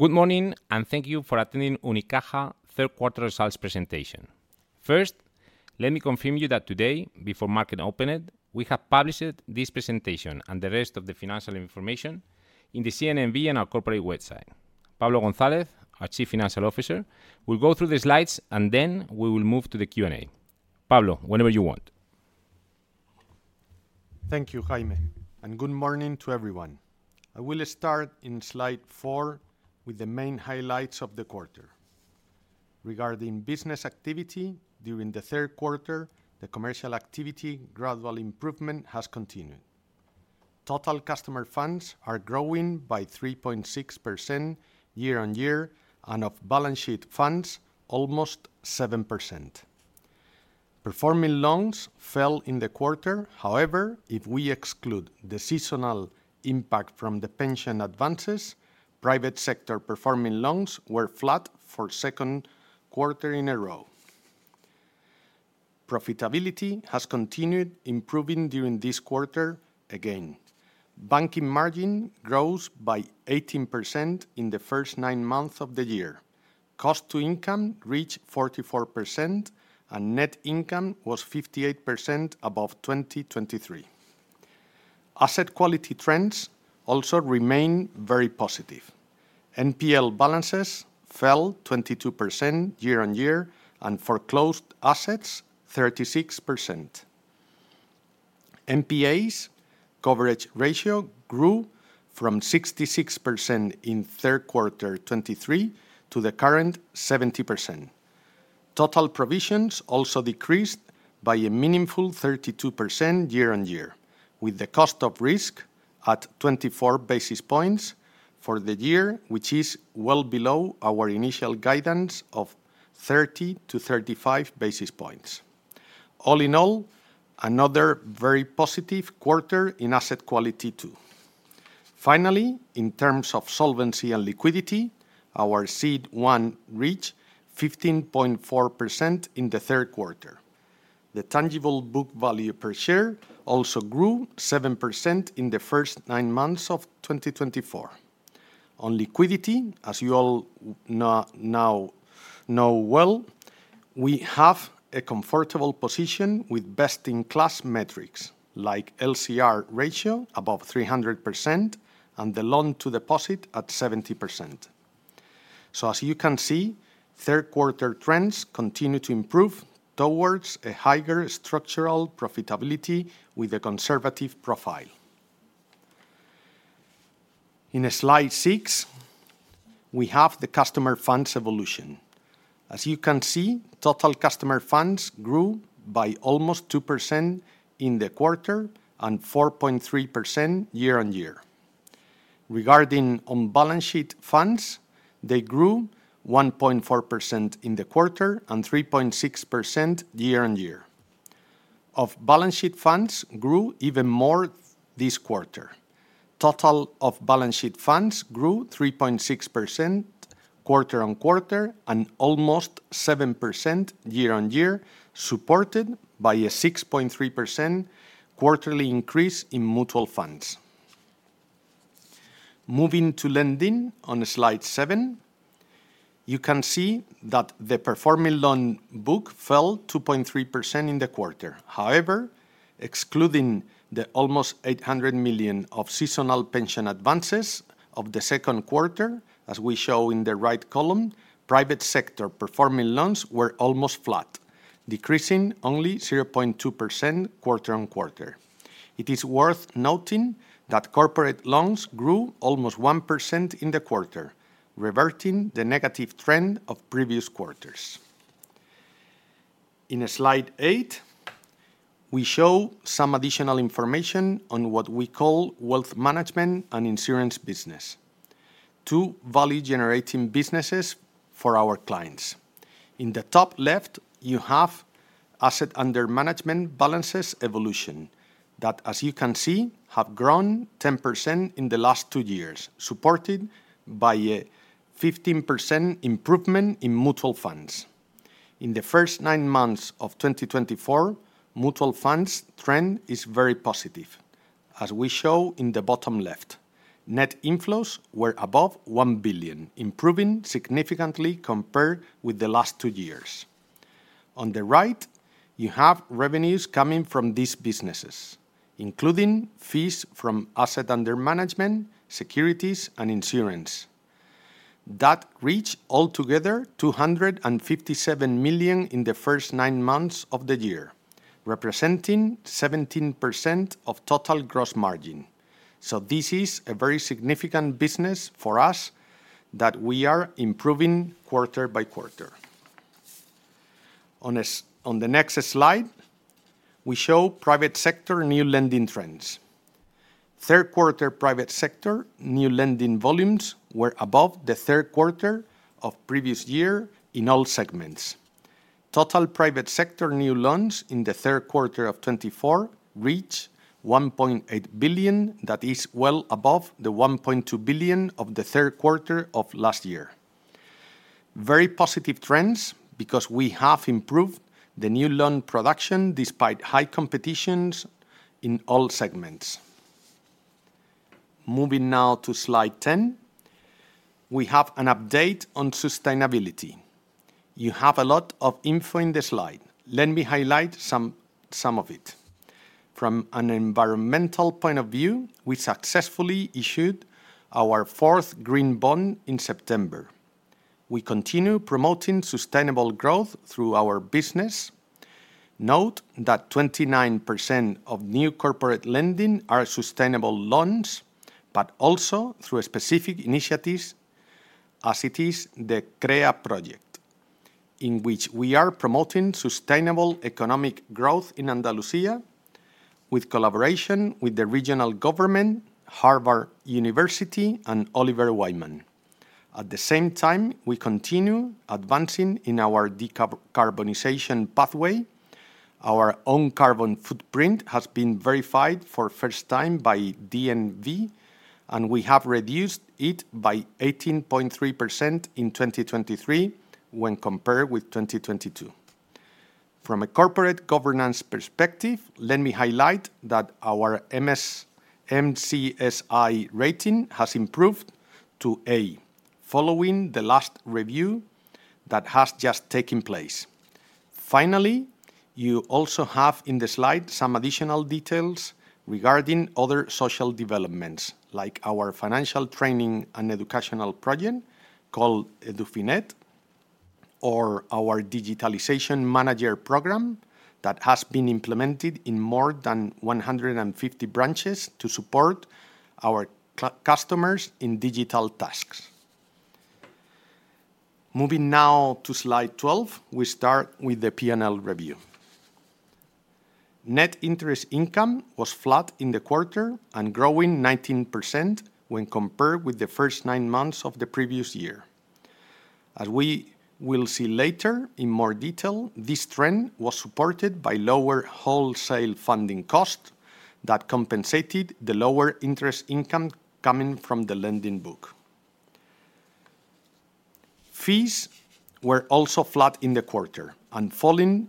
Good morning, and thank you for attending Unicaja's third quarter results presentation. First, let me confirm that today, before the market opened, we have published this presentation and the rest of the financial information in the CNMV and our corporate website. Pablo Gonzalez, our Chief Financial Officer, will go through the slides, and then we will move to the Q&A. Pablo, whenever you want. Thank you, Jaime, and good morning to everyone. I will start in slide four with the main highlights of the quarter. Regarding business activity during the third quarter, the commercial activity gradual improvement has continued. Total customer funds are growing by 3.6% year-on-year, and off-balance sheet funds, almost 7%. Performing loans fell in the quarter; however, if we exclude the seasonal impact from the pension advances, private sector performing loans were flat for the second quarter in a row. Profitability has continued improving during this quarter again. Banking margin grows by 18% in the first nine months of the year. Cost-to-income reached 44%, and net income was 58% above 2023. Asset quality trends also remain very positive. NPL balances fell 22% year-on-year, and foreclosed assets, 36%. NPAs coverage ratio grew from 66% in third quarter 2023 to the current 70%. Total provisions also decreased by a meaningful 32% year-on-year, with the cost of risk at 24 basis points for the year, which is well below our initial guidance of 30 to 35 basis points. All in all, another very positive quarter in asset quality, too. Finally, in terms of solvency and liquidity, our CET1 reached 15.4% in the third quarter. The tangible book value per share also grew 7% in the first nine months of 2024. On liquidity, as you all now know well, we have a comfortable position with best-in-class metrics like LCR ratio above 300% and the loan-to-deposit at 70%. So, as you can see, third quarter trends continue to improve towards a higher structural profitability with a conservative profile. In slide six, we have the customer funds evolution. As you can see, total customer funds grew by almost 2% in the quarter and 4.3% year-on-year. Regarding on-balance sheet funds, they grew 1.4% in the quarter and 3.6% year-on-year. Off-balance sheet funds grew even more this quarter. Total off-balance sheet funds grew 3.6% quarter-on-quarter and almost 7% year-on-year, supported by a 6.3% quarterly increase in mutual funds. Moving to lending on slide seven, you can see that the performing loan book fell 2.3% in the quarter. However, excluding the almost 800 million of seasonal pension advances of the second quarter, as we show in the right column, private sector performing loans were almost flat, decreasing only 0.2% quarter-on-quarter. It is worth noting that corporate loans grew almost 1% in the quarter, reverting the negative trend of previous quarters. In slide eight, we show some additional information on what we call wealth management and insurance business, two value-generating businesses for our clients. In the top left, you have asset under management balances evolution that, as you can see, have grown 10% in the last two years, supported by a 15% improvement in mutual funds. In the first nine months of 2024, mutual funds trend is very positive, as we show in the bottom left. Net inflows were above 1 billion, improving significantly compared with the last two years. On the right, you have revenues coming from these businesses, including fees from asset under management, securities, and insurance. That reached altogether 257 million in the first nine months of the year, representing 17% of total gross margin. So, this is a very significant business for us that we are improving quarter by quarter. On the next slide, we show private sector new lending trends. Third quarter private sector new lending volumes were above the third quarter of previous year in all segments. Total private sector new loans in the third quarter of 2024 reached 1.8 billion, that is well above the 1.2 billion of the third quarter of last year. Very positive trends because we have improved the new loan production despite high competition in all segments. Moving now to slide 10, we have an update on sustainability. You have a lot of info in the slide. Let me highlight some of it. From an environmental point of view, we successfully issued our fourth green bond in September. We continue promoting sustainable growth through our business. Note that 29% of new corporate lending are sustainable loans, but also through specific initiatives as it is the CREA project, in which we are promoting sustainable economic growth in Andalusia in collaboration with the regional government, Harvard University, and Oliver Wyman. At the same time, we continue advancing in our decarbonization pathway. Our own carbon footprint has been verified for the first time by DNV, and we have reduced it by 18.3% in 2023 when compared with 2022. From a corporate governance perspective, let me highlight that our MSCI rating has improved to A following the last review that has just taken place. Finally, you also have in the slide some additional details regarding other social developments, like our financial training and educational project called EduFinet, or our digitalization manager program that has been implemented in more than 150 branches to support our customers in digital tasks. Moving now to slide 12, we start with the P&L review. Net interest income was flat in the quarter and growing 19% when compared with the first nine months of the previous year. As we will see later in more detail, this trend was supported by lower wholesale funding cost that compensated the lower interest income coming from the lending book. Fees were also flat in the quarter and falling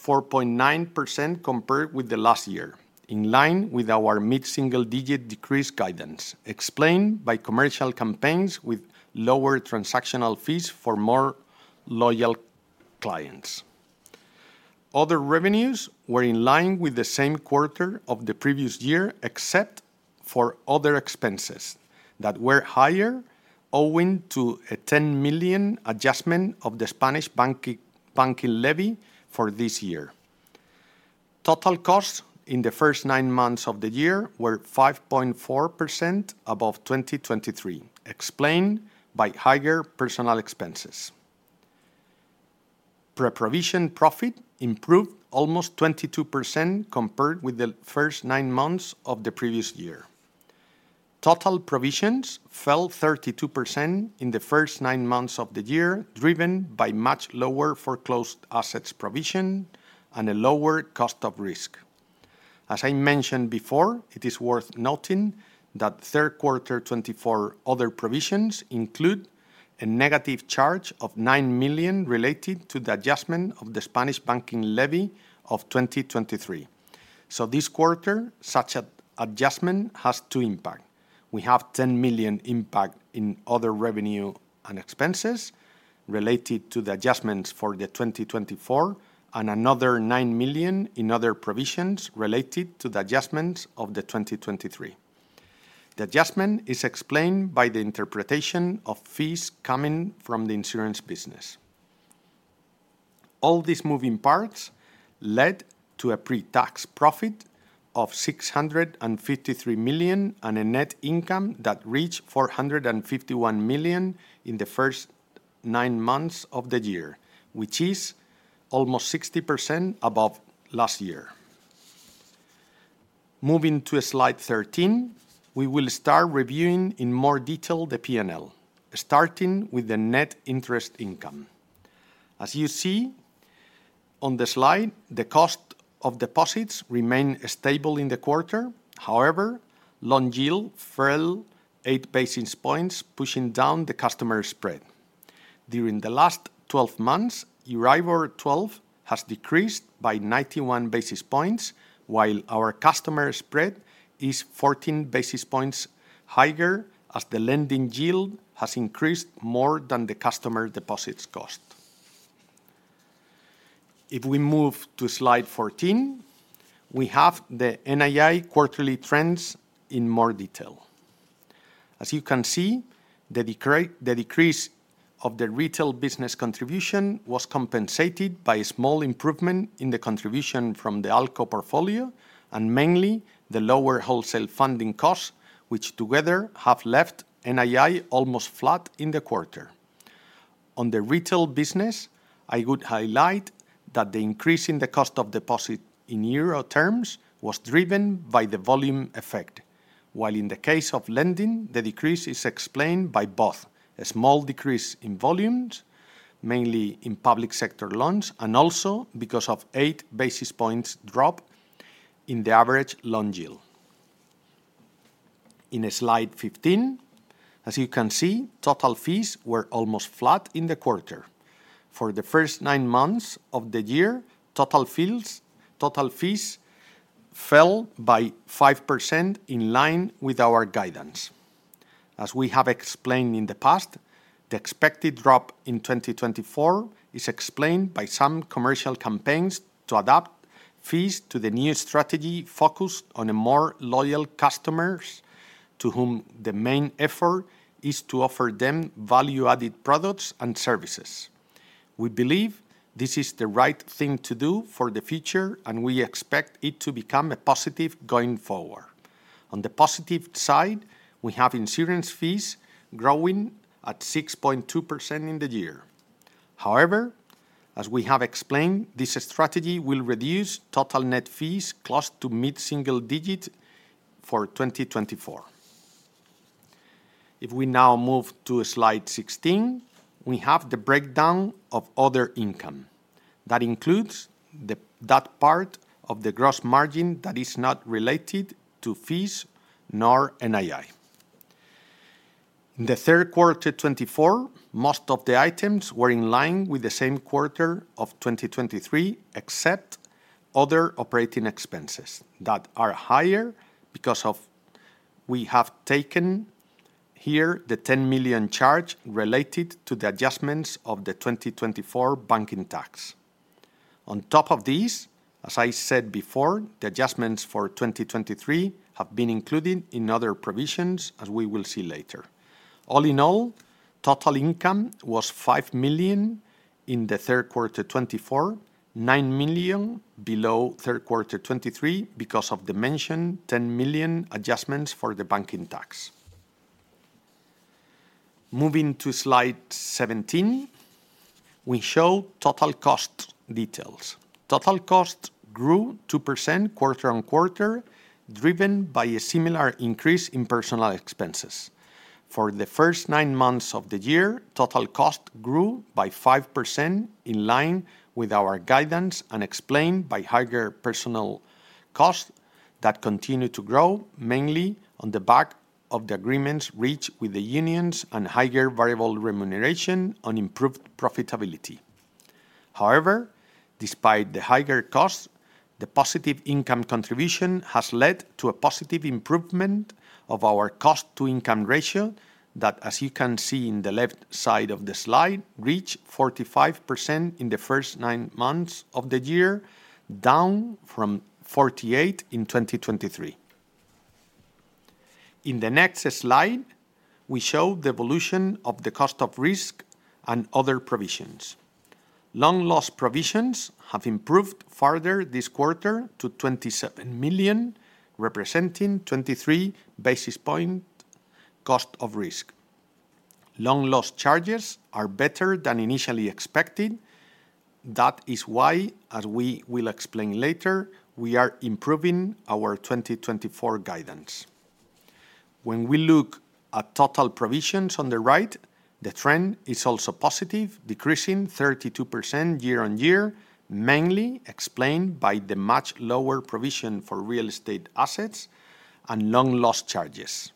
4.9% compared with the last year, in line with our mid-single-digit decrease guidance explained by commercial campaigns with lower transactional fees for more loyal clients. Other revenues were in line with the same quarter of the previous year, except for other expenses that were higher, owing to a 10 million adjustment of the Spanish banking levy for this year. Total costs in the first nine months of the year were 5.4% above 2023, explained by higher personal expenses. Pre-provision profit improved almost 22% compared with the first nine months of the previous year. Total provisions fell 32% in the first nine months of the year, driven by much lower foreclosed assets provision and a lower cost of risk. As I mentioned before, it is worth noting that third quarter 2024 other provisions include a negative charge of 9 million related to the adjustment of the Spanish banking levy of 2023. So, this quarter, such adjustment has two impacts. We have 10 million impact in other revenue and expenses related to the adjustments for the 2024 and another 9 million in other provisions related to the adjustments of the 2023. The adjustment is explained by the interpretation of fees coming from the insurance business. All these moving parts led to a pre-tax profit of 653 million and a net income that reached 451 million in the first nine months of the year, which is almost 60% above last year. Moving to slide 13, we will start reviewing in more detail the P&L, starting with the net interest income. As you see on the slide, the cost of deposits remained stable in the quarter. However, loan yield fell eight basis points, pushing down the customer spread. During the last 12 months, Euribor 12 has decreased by 91 basis points, while our customer spread is 14 basis points higher as the lending yield has increased more than the customer deposits cost. If we move to slide 14, we have the NII quarterly trends in more detail. As you can see, the decrease of the retail business contribution was compensated by a small improvement in the contribution from the ALCO portfolio and mainly the lower wholesale funding costs, which together have left NII almost flat in the quarter. On the retail business, I would highlight that the increase in the cost of deposit in euro terms was driven by the volume effect, while in the case of lending, the decrease is explained by both a small decrease in volumes, mainly in public sector loans, and also because of eight basis points drop in the average loan yield. In slide 15, as you can see, total fees were almost flat in the quarter. For the first nine months of the year, total fees fell by 5% in line with our guidance. As we have explained in the past, the expected drop in 2024 is explained by some commercial campaigns to adapt fees to the new strategy focused on more loyal customers, to whom the main effort is to offer them value-added products and services. We believe this is the right thing to do for the future, and we expect it to become a positive going forward. On the positive side, we have insurance fees growing at 6.2% in the year. However, as we have explained, this strategy will reduce total net fees close to mid-single digit for 2024. If we now move to slide 16, we have the breakdown of other income. That includes that part of the gross margin that is not related to fees nor NII. In the third quarter 2024, most of the items were in line with the same quarter of 2023, except other operating expenses that are higher because we have taken here the 10 million charge related to the adjustments of the 2024 banking tax. On top of these, as I said before, the adjustments for 2023 have been included in other provisions, as we will see later. All in all, total income was 5 million in the third quarter 2024, 9 million below third quarter 2023 because of the mentioned 10 million adjustments for the banking tax. Moving to slide 17, we show total cost details. Total cost grew 2% quarter on quarter, driven by a similar increase in personal expenses. For the first nine months of the year, total cost grew by 5% in line with our guidance and explained by higher personal costs that continue to grow mainly on the back of the agreements reached with the unions and higher variable remuneration on improved profitability. However, despite the higher costs, the positive income contribution has led to a positive improvement of our cost-to-income ratio that, as you can see in the left side of the slide, reached 45% in the first nine months of the year, down from 48% in 2023. In the next slide, we show the evolution of the cost of risk and other provisions. Loan loss provisions have improved further this quarter to 27 million, representing 23 basis points cost of risk. Loan loss charges are better than initially expected. That is why, as we will explain later, we are improving our 2024 guidance. When we look at total provisions on the right, the trend is also positive, decreasing 32% year on year, mainly explained by the much lower provision for real estate assets and loan loss charges.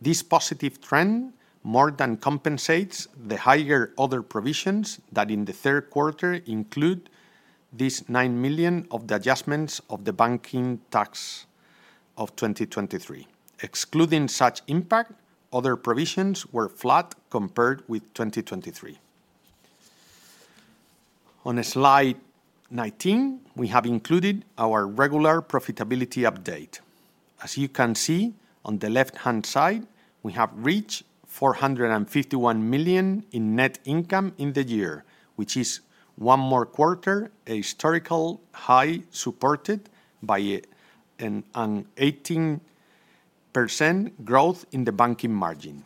This positive trend more than compensates the higher other provisions that in the third quarter include these 9 million of the adjustments of the banking tax of 2023. Excluding such impact, other provisions were flat compared with 2023. On slide 19, we have included our regular profitability update. As you can see on the left-hand side, we have reached 451 million in net income in the year, which is one more quarter a historical high supported by an 18% growth in the banking margin.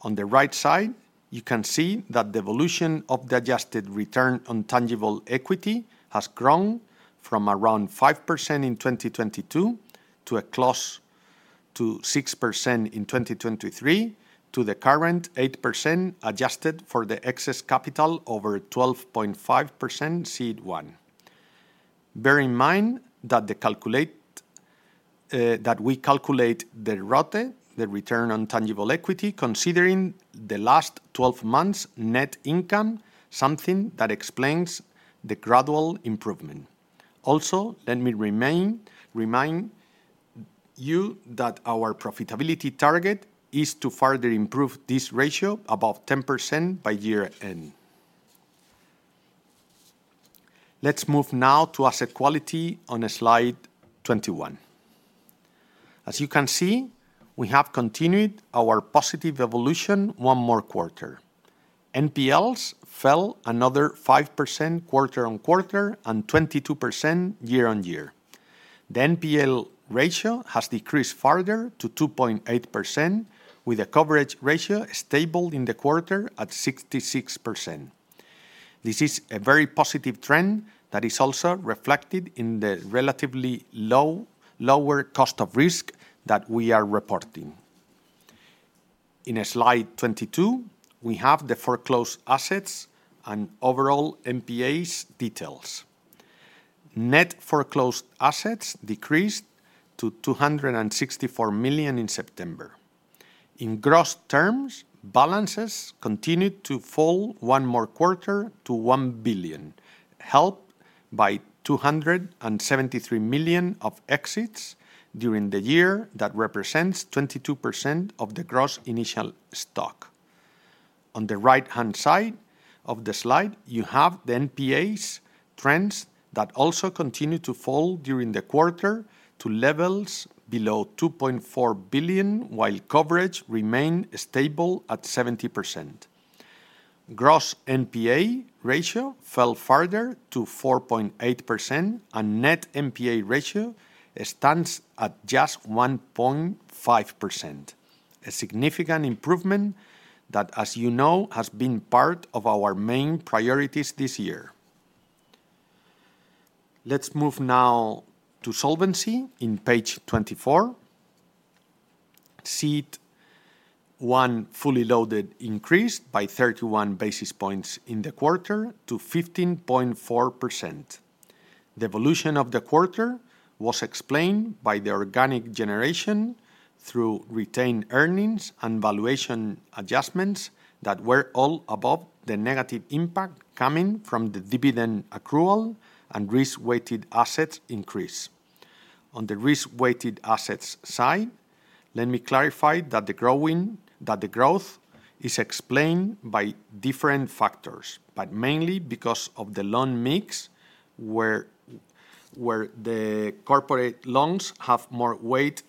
On the right side, you can see that the evolution of the adjusted return on tangible equity has grown from around 5% in 2022 to a close to 6% in 2023 to the current 8% adjusted for the excess capital over 12.5% CET1. Bear in mind that we calculate the ROTE, the return on tangible equity, considering the last 12 months' net income, something that explains the gradual improvement. Also, let me remind you that our profitability target is to further improve this ratio above 10% by year end. Let's move now to asset quality on slide 21. As you can see, we have continued our positive evolution one more quarter. NPLs fell another 5% quarter on quarter and 22% year on year. The NPL ratio has decreased further to 2.8%, with a coverage ratio stable in the quarter at 66%. This is a very positive trend that is also reflected in the relatively lower cost of risk that we are reporting. In slide 22, we have the foreclosed assets and overall NPAs details. Net foreclosed assets decreased to 264 million in September. In gross terms, balances continued to fall one more quarter to 1 billion, helped by 273 million of exits during the year that represents 22% of the gross initial stock. On the right-hand side of the slide, you have the NPAs trends that also continue to fall during the quarter to levels below 2.4 billion, while coverage remained stable at 70%. Gross NPA ratio fell further to 4.8%, and net NPA ratio stands at just 1.5%, a significant improvement that, as you know, has been part of our main priorities this year. Let's move now to solvency on page 24. CET1 fully loaded increased by 31 basis points in the quarter to 15.4%. The evolution of the quarter was explained by the organic generation through retained earnings and valuation adjustments that were all above the negative impact coming from the dividend accrual and risk-weighted assets increase. On the risk-weighted assets side, let me clarify that the growth is explained by different factors, but mainly because of the loan mix where the corporate loans have more weight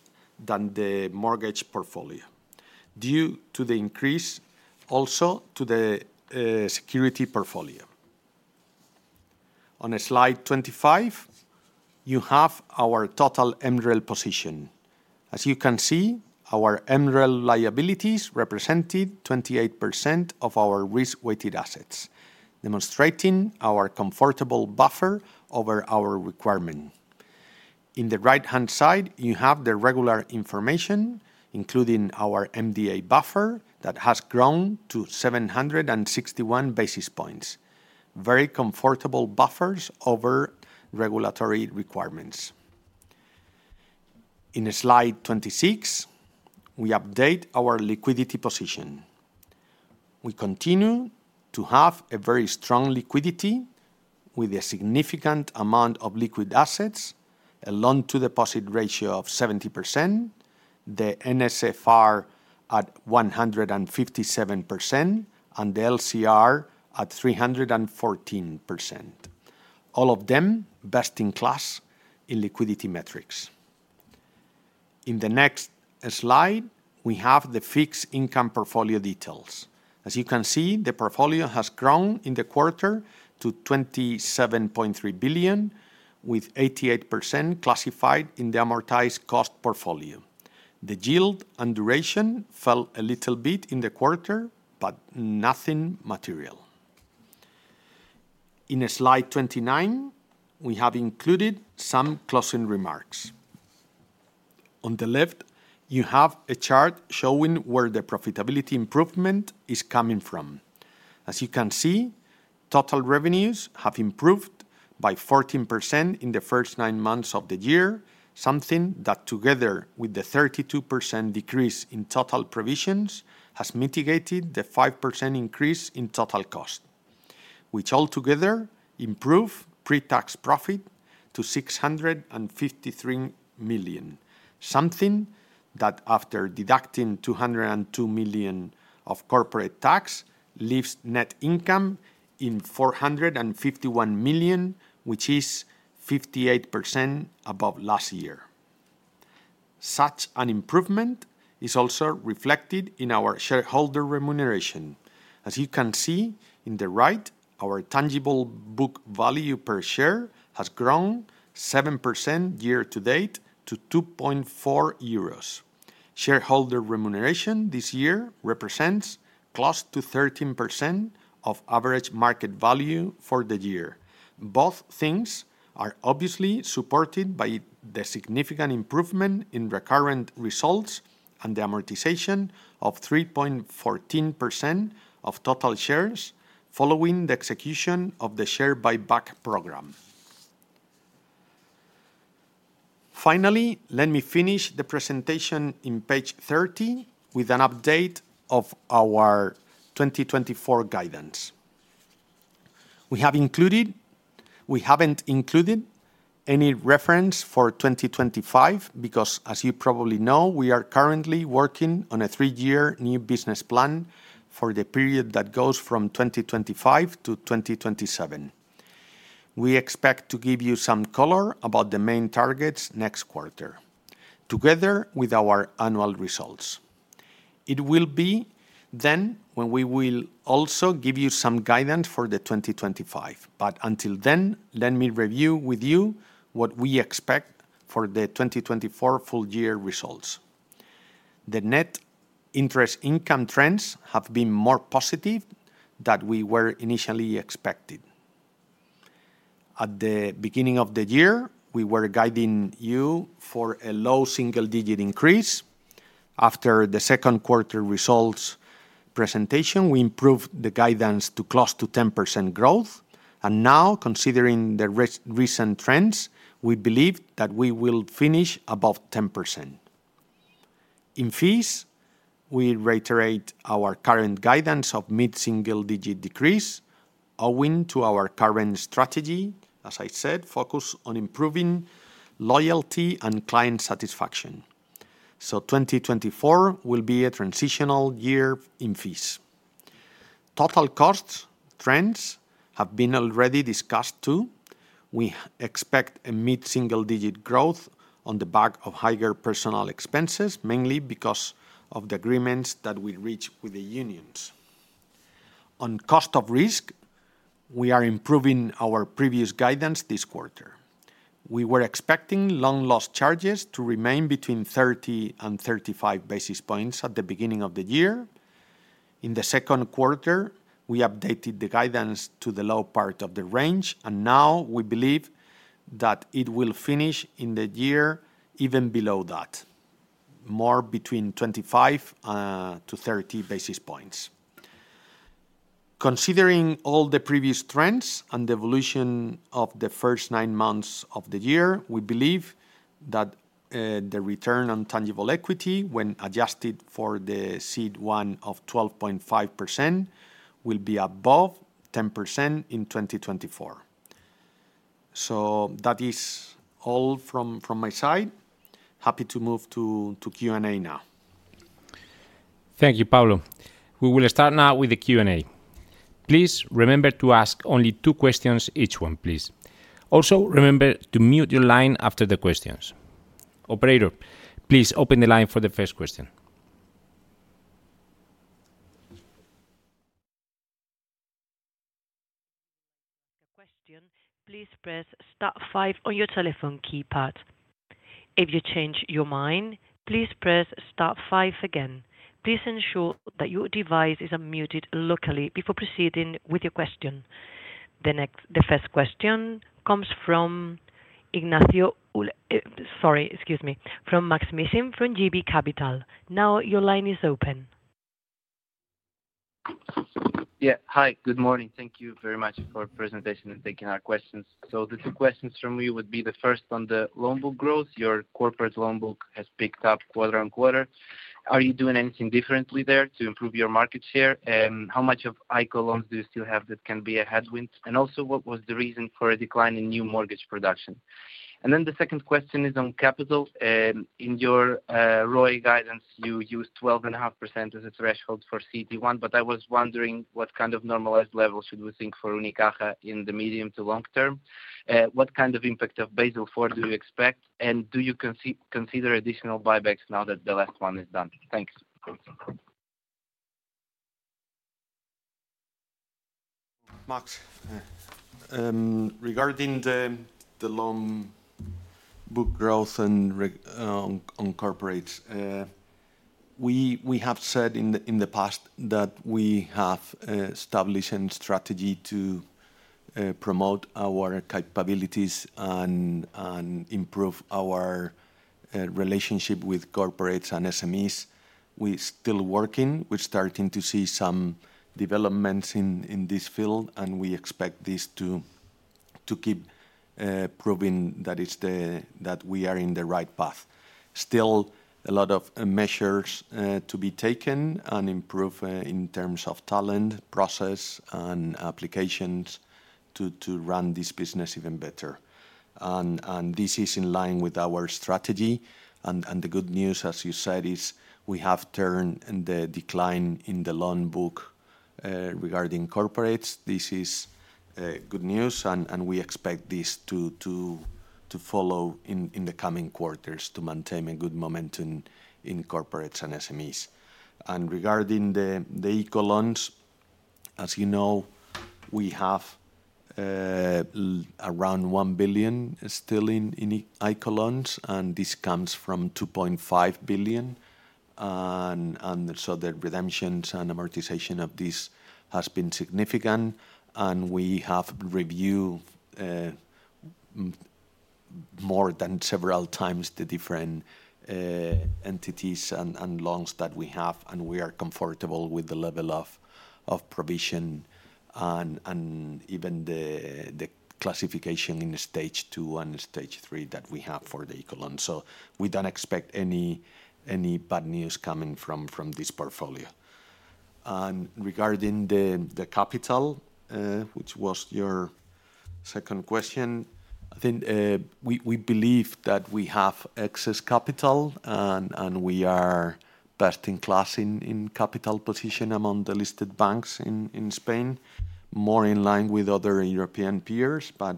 than the mortgage portfolio due to the increase also to the security portfolio. On slide 25, you have our total MREL position. As you can see, our MREL liabilities represented 28% of our risk-weighted assets, demonstrating our comfortable buffer over our requirement. In the right-hand side, you have the regular information, including our MDA buffer that has grown to 761 basis points, very comfortable buffers over regulatory requirements. In slide 26, we update our liquidity position. We continue to have a very strong liquidity with a significant amount of liquid assets, a loan-to-deposit ratio of 70%, the NSFR at 157%, and the LCR at 314%, all of them best in class in liquidity metrics. In the next slide, we have the fixed income portfolio details. As you can see, the portfolio has grown in the quarter to 27.3 billion, with 88% classified in the amortized cost portfolio. The yield and duration fell a little bit in the quarter, but nothing material. In slide 29, we have included some closing remarks. On the left, you have a chart showing where the profitability improvement is coming from. As you can see, total revenues have improved by 14% in the first nine months of the year, something that, together with the 32% decrease in total provisions, has mitigated the 5% increase in total cost, which altogether improved pre-tax profit to 653 million, something that, after deducting 202 million of corporate tax, leaves net income in 451 million, which is 58% above last year. Such an improvement is also reflected in our shareholder remuneration. As you can see in the right, our tangible book value per share has grown 7% year to date to 2.4 euros. Shareholder remuneration this year represents close to 13% of average market value for the year. Both things are obviously supported by the significant improvement in recurring results and the amortization of 3.14% of total shares following the execution of the share buyback program. Finally, let me finish the presentation on page 30 with an update of our 2024 guidance. We haven't included any reference for 2025 because, as you probably know, we are currently working on a three-year new business plan for the period that goes from 2025 to 2027. We expect to give you some color about the main targets next quarter, together with our annual results. It will be then when we will also give you some guidance for 2025. But until then, let me review with you what we expect for the 2024 full-year results. The net interest income trends have been more positive than we initially expected. At the beginning of the year, we were guiding you for a low single-digit increase. After the second quarter results presentation, we improved the guidance to close to 10% growth. And now, considering the recent trends, we believe that we will finish above 10%. In fees, we reiterate our current guidance of mid-single-digit decrease, owing to our current strategy, as I said, focused on improving loyalty and client satisfaction. So 2024 will be a transitional year in fees. Total cost trends have been already discussed too. We expect a mid-single-digit growth on the back of higher personal expenses, mainly because of the agreements that we reached with the unions. On cost of risk, we are improving our previous guidance this quarter. We were expecting loan loss charges to remain between 30 and 35 basis points at the beginning of the year. In the second quarter, we updated the guidance to the low part of the range, and now we believe that it will finish in the year even below that, more between 25-30 basis points. Considering all the previous trends and the evolution of the first nine months of the year, we believe that the return on tangible equity, when adjusted for the CET1 of 12.5%, will be above 10% in 2024. So that is all from my side. Happy to move to Q&A now. Thank you, Pablo. We will start now with the Q&A. Please remember to ask only two questions each one, please. Also, remember to mute your line after the questions. Operator, please open the line for the first question. The question, please press star five on your telephone keypad. If you change your mind, please press star five again. Please ensure that your device is unmuted locally before proceeding with your question. The first question comes from Ignacio, sorry, excuse me, from Maksym Mishyn from JB Capital. Now your line is open. Yeah. Hi, good morning. Thank you very much for the presentation and taking our questions. So the two questions from you would be the first on the loan book growth. Your corporate loan book has picked up quarter on quarter. Are you doing anything differently there to improve your market share? How much of ICO loans do you still have that can be a headwind? And also, what was the reason for a decline in new mortgage production? And then the second question is on capital. In your ROI guidance, you used 12.5% as a threshold for CET1, but I was wondering what kind of normalized level should we think for Unicaja in the medium to long term? What kind of impact of Basel IV do you expect? And do you consider additional buybacks now that the last one is done? Thanks. Maksym, regarding the loan book growth on corporates, we have said in the past that we have established a strategy to promote our capabilities and improve our relationship with corporates and SMEs. We're still working. We're starting to see some developments in this field, and we expect this to keep proving that we are in the right path. Still, a lot of measures to be taken and improve in terms of talent, process, and applications to run this business even better. This is in line with our strategy. The good news, as you said, is we have turned the decline in the loan book regarding corporates. This is good news, and we expect this to follow in the coming quarters to maintain a good momentum in corporates and SMEs. Regarding the ICO loans, as you know, we have around 1 billion still in ICO loans, and this comes from 2.5 billion. So the redemptions and amortization of this has been significant, and we have reviewed more than several times the different entities and loans that we have, and we are comfortable with the level of provision and even the classification in Stage 2 and Stage 3 that we have for the ICO loans. We don't expect any bad news coming from this portfolio. Regarding the capital, which was your second question, I think we believe that we have excess capital, and we are best in class in capital position among the listed banks in Spain, more in line with other European peers, but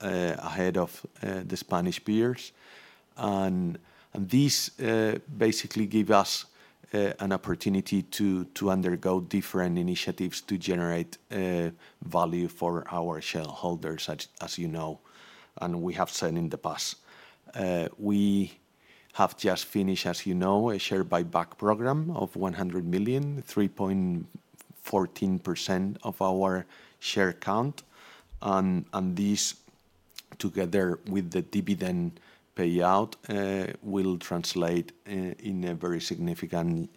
ahead of the Spanish peers. These basically give us an opportunity to undergo different initiatives to generate value for our shareholders, as you know, and we have said in the past. We have just finished, as you know, a share buyback program of 100 million, 3.14% of our share count. And this, together with the dividend payout, will translate in a very significant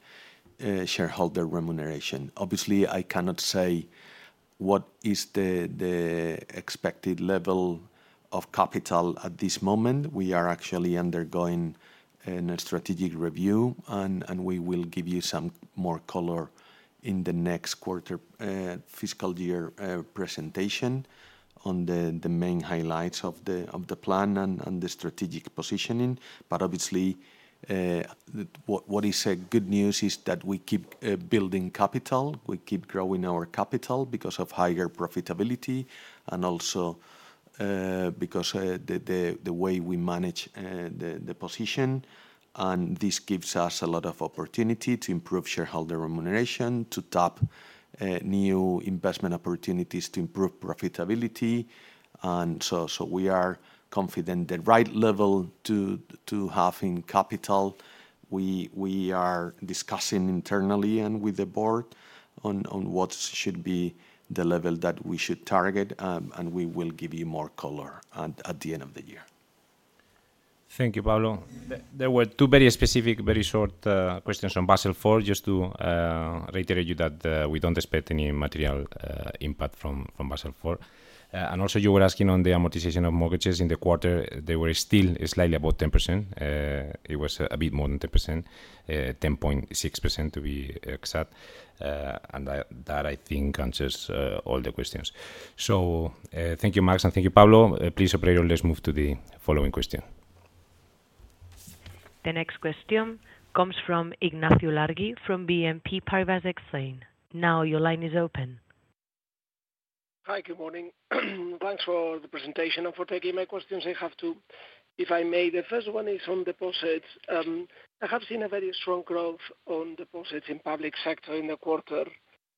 shareholder remuneration. Obviously, I cannot say what is the expected level of capital at this moment. We are actually undergoing a strategic review, and we will give you some more color in the next quarter fiscal year presentation on the main highlights of the plan and the strategic positioning. But obviously, what is good news is that we keep building capital. We keep growing our capital because of higher profitability and also because of the way we manage the position. And this gives us a lot of opportunity to improve shareholder remuneration, to tap new investment opportunities, to improve profitability. And so we are confident the right level to have in capital. We are discussing internally and with the board on what should be the level that we should target, and we will give you more color at the end of the year. Thank you, Pablo. There were two very specific, very short questions on Basel IV. Just to reiterate to you that we don't expect any material impact from Basel IV. And also, you were asking on the amortization of mortgages in the quarter. They were still slightly above 10%. It was a bit more than 10%, 10.6% to be exact. And that, I think, answers all the questions. So thank you, Maksym, and thank you, Pablo. Please, Operator, let's move to the following question. The next question comes from Ignacio Ulargui from BNP Paribas Exane. Now your line is open. Hi, good morning. Thanks for the presentation and for taking my questions. I have two. If I may, the first one is on deposits. I have seen a very strong growth on deposits in public sector in the quarter.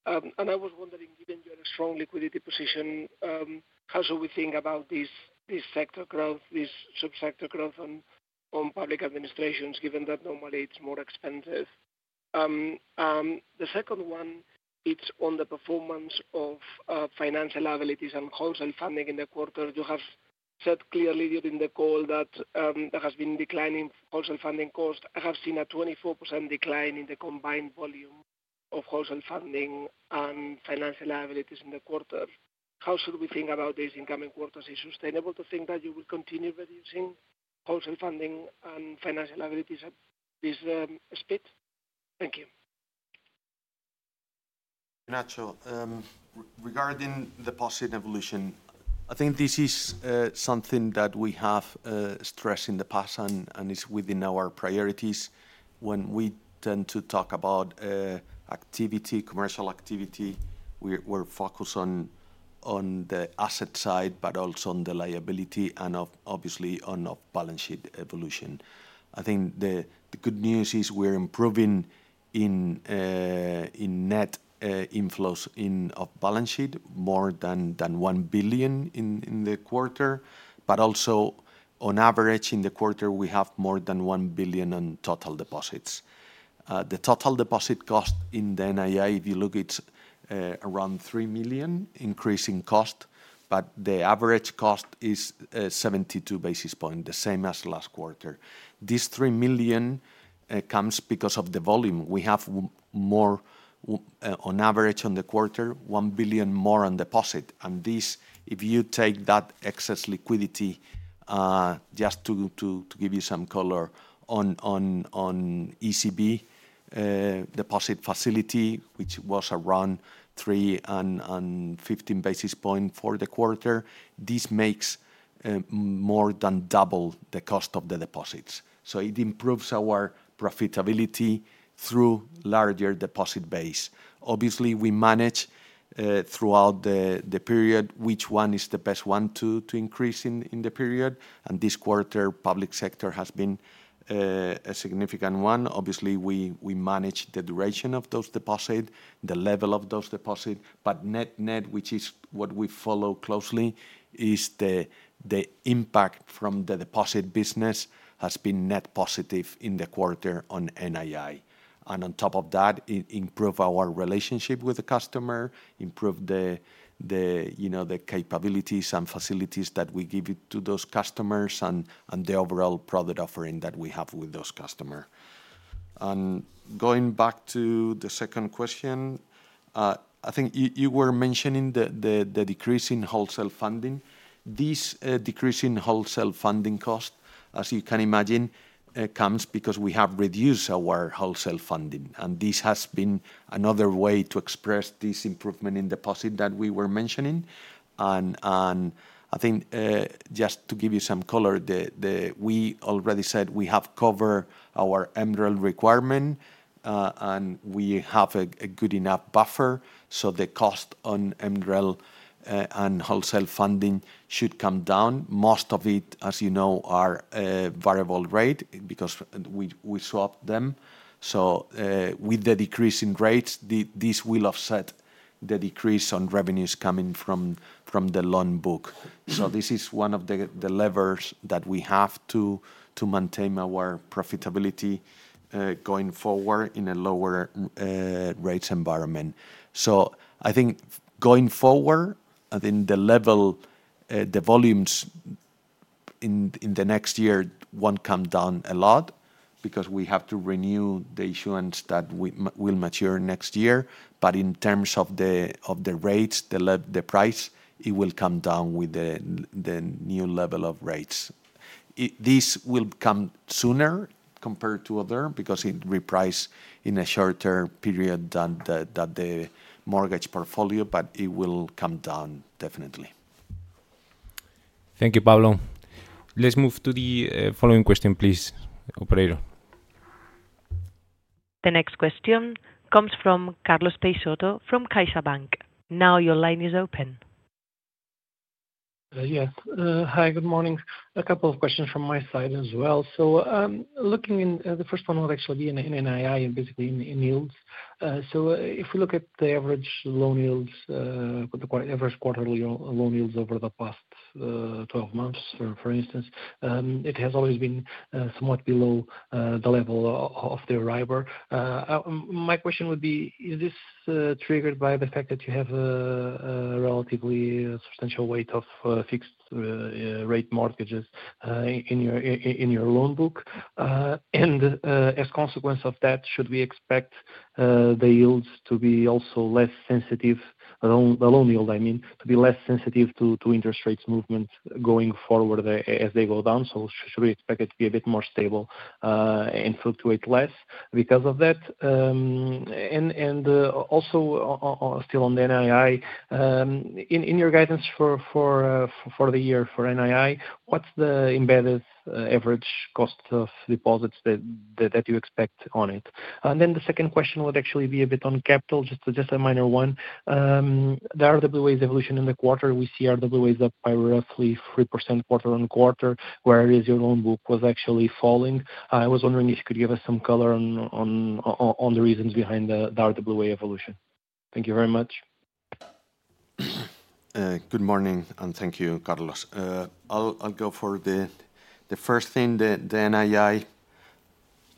I was wondering, given your strong liquidity position, how should we think about this sector growth, this subsector growth on public administrations, given that normally it's more expensive? The second one, it's on the performance of financial liabilities and wholesale funding in the quarter. You have said clearly during the call that there has been declining wholesale funding cost. I have seen a 24% decline in the combined volume of wholesale funding and financial liabilities in the quarter. How should we think about this in the coming quarters? Is it sustainable to think that you will continue reducing wholesale funding and financial liabilities at this speed? Thank you. Ignacio, regarding the positive evolution, I think this is something that we have stressed in the past, and it's within our priorities. When we tend to talk about commercial activity, we're focused on the asset side, but also on the liability and obviously on balance sheet evolution. I think the good news is we're improving in net inflows of balance sheet more than 1 billion in the quarter. But also, on average, in the quarter, we have more than 1 billion on total deposits. The total deposit cost in the NII, if you look, it's around 3 million, increasing cost, but the average cost is 72 basis points, the same as last quarter. This 3 million comes because of the volume. We have more on average on the quarter, 1 billion more on deposit. And this, if you take that excess liquidity, just to give you some color on ECB deposit facility, which was around three and 15 basis points for the quarter, this makes more than double the cost of the deposits. So it improves our profitability through larger deposit base. Obviously, we manage throughout the period which one is the best one to increase in the period. And this quarter, public sector has been a significant one. Obviously, we manage the duration of those deposits, the level of those deposits. But net net, which is what we follow closely, is the impact from the deposit business has been net positive in the quarter on NII. And on top of that, it improved our relationship with the customer, improved the capabilities and facilities that we give to those customers, and the overall product offering that we have with those customers. Going back to the second question, I think you were mentioning the decrease in wholesale funding. This decrease in wholesale funding cost, as you can imagine, comes because we have reduced our wholesale funding. And this has been another way to express this improvement in deposits that we were mentioning. And I think, just to give you some color, we already said we have covered our MREL requirement, and we have a good enough buffer. So the cost on MREL and wholesale funding should come down. Most of it, as you know, are variable rate because we swapped them. So with the decrease in rates, this will offset the decrease on revenues coming from the loan book. So this is one of the levers that we have to maintain our profitability going forward in a lower rates environment. So I think going forward, I think the volumes in the next year won't come down a lot because we have to renew the issuance that will mature next year. But in terms of the rates, the price, it will come down with the new level of rates. This will come sooner compared to other because it reprices in a shorter period than the mortgage portfolio, but it will come down definitely. Thank you, Pablo. Let's move to the following question, please, Operator. The next question comes from Carlos Peixoto from CaixaBank. Now your line is open. Yes. Hi, good morning. A couple of questions from my side as well. So looking at the first one would actually be in NII and basically in yields. So if we look at the average loan yields, the average quarterly loan yields over the past 12 months, for instance, it has always been somewhat below the level of the Euribor. My question would be, is this triggered by the fact that you have a relatively substantial weight of fixed rate mortgages in your loan book? And as a consequence of that, should we expect the yields to be also less sensitive, the loan yield, I mean, to be less sensitive to interest rates movement going forward as they go down? So should we expect it to be a bit more stable and fluctuate less because of that? And also still on the NII, in your guidance for the year for NII, what's the embedded average cost of deposits that you expect on it? The second question would actually be a bit on capital, just a minor one. The RWAs evolution in the quarter, we see RWAs up by roughly 3% quarter on quarter, whereas your loan book was actually falling. I was wondering if you could give us some color on the reasons behind the RWA evolution. Thank you very much. Good morning, and thank you, Carlos. I'll go for the first thing, the NII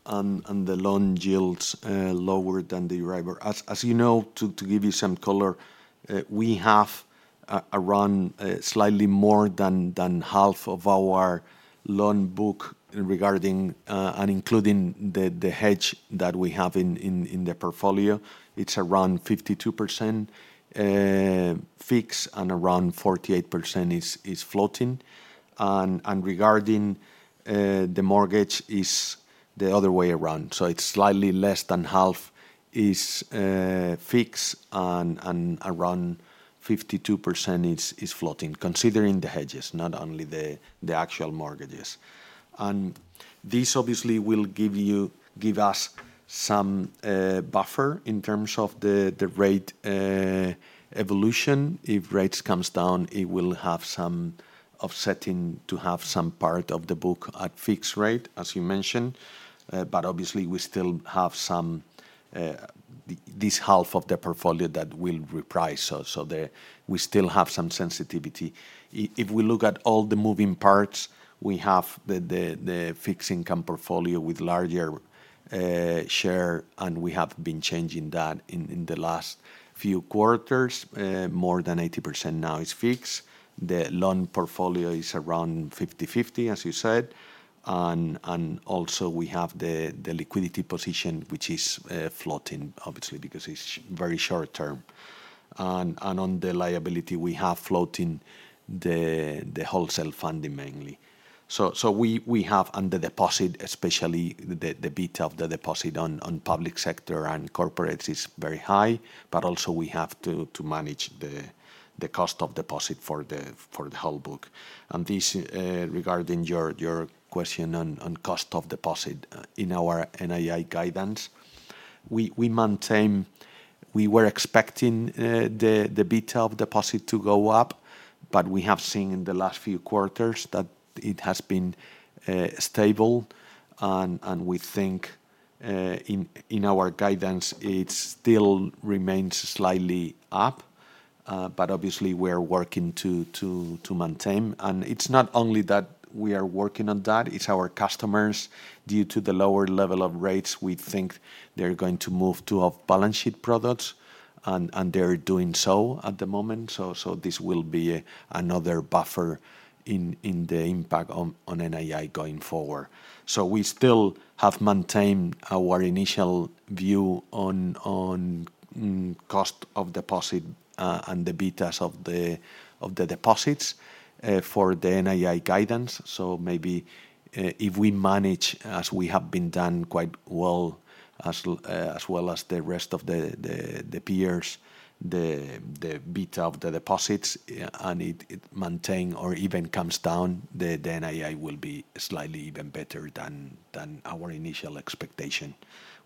and the loan yields lower than the Euribor. As you know, to give you some color, we have around slightly more than half of our loan book regarding and including the hedge that we have in the portfolio. It's around 52% fixed and around 48% is floating. And regarding the mortgage, it's the other way around. It's slightly less than half is fixed and around 52% is floating, considering the hedges, not only the actual mortgages. And this obviously will give us some buffer in terms of the rate evolution. If rates come down, it will have some offsetting to have some part of the book at fixed rate, as you mentioned. But obviously, we still have this half of the portfolio that will reprice. So we still have some sensitivity. If we look at all the moving parts, we have the fixed income portfolio with larger share, and we have been changing that in the last few quarters. More than 80% now is fixed. The loan portfolio is around 50-50, as you said. And also we have the liquidity position, which is floating, obviously, because it's very short term. And on the liability, we have floating the wholesale funding mainly. So we have, and the deposit, especially the beta of the deposit on public sector and corporates, is very high. But also we have to manage the cost of deposit for the whole book. And regarding your question on cost of deposit in our NII guidance, we were expecting the beta of deposit to go up, but we have seen in the last few quarters that it has been stable. And we think in our guidance, it still remains slightly up. But obviously, we are working to maintain. And it's not only that we are working on that. It's our customers. Due to the lower level of rates, we think they're going to move to balance sheet products, and they're doing so at the moment. So this will be another buffer in the impact on NII going forward. So we still have maintained our initial view on cost of deposit and the betas of the deposits for the NII guidance. So maybe if we manage, as we have been done quite well, as well as the rest of the peers, the beta of the deposits, and it maintained or even comes down, the NII will be slightly even better than our initial expectation,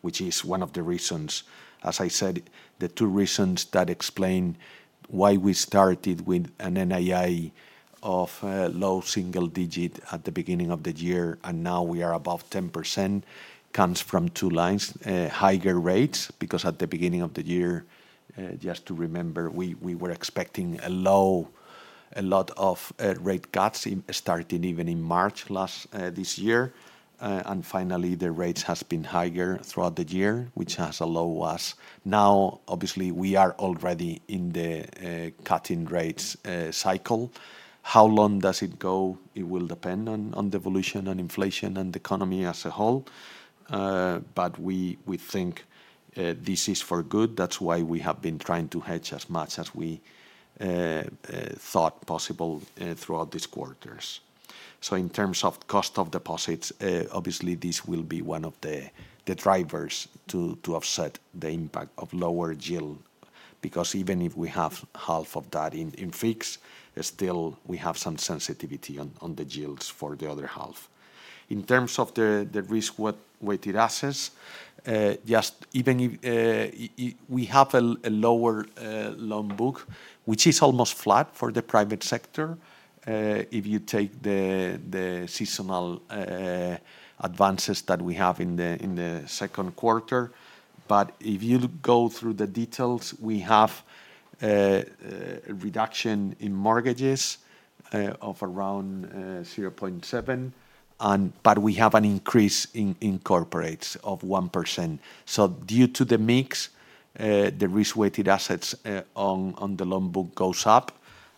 which is one of the reasons, as I said, the two reasons that explain why we started with an NII of low single digit at the beginning of the year, and now we are above 10%, comes from two lines, higher rates, because at the beginning of the year, just to remember, we were expecting a lot of rate cuts starting even in March last this year, and finally, the rates have been higher throughout the year, which has allowed us. Now, obviously, we are already in the cutting rates cycle. How long does it go? It will depend on the evolution and inflation and the economy as a whole. But we think this is for good. That's why we have been trying to hedge as much as we thought possible throughout these quarters. So in terms of cost of deposits, obviously, this will be one of the drivers to offset the impact of lower yield, because even if we have half of that in fixed, still we have some sensitivity on the yields for the other half. In terms of the risk-weighted assets, just even if we have a lower loan book, which is almost flat for the private sector, if you take the seasonal advances that we have in the second quarter. But if you go through the details, we have a reduction in mortgages of around 0.7, but we have an increase in corporates of 1%. So due to the mix, the risk-weighted assets on the loan book go up.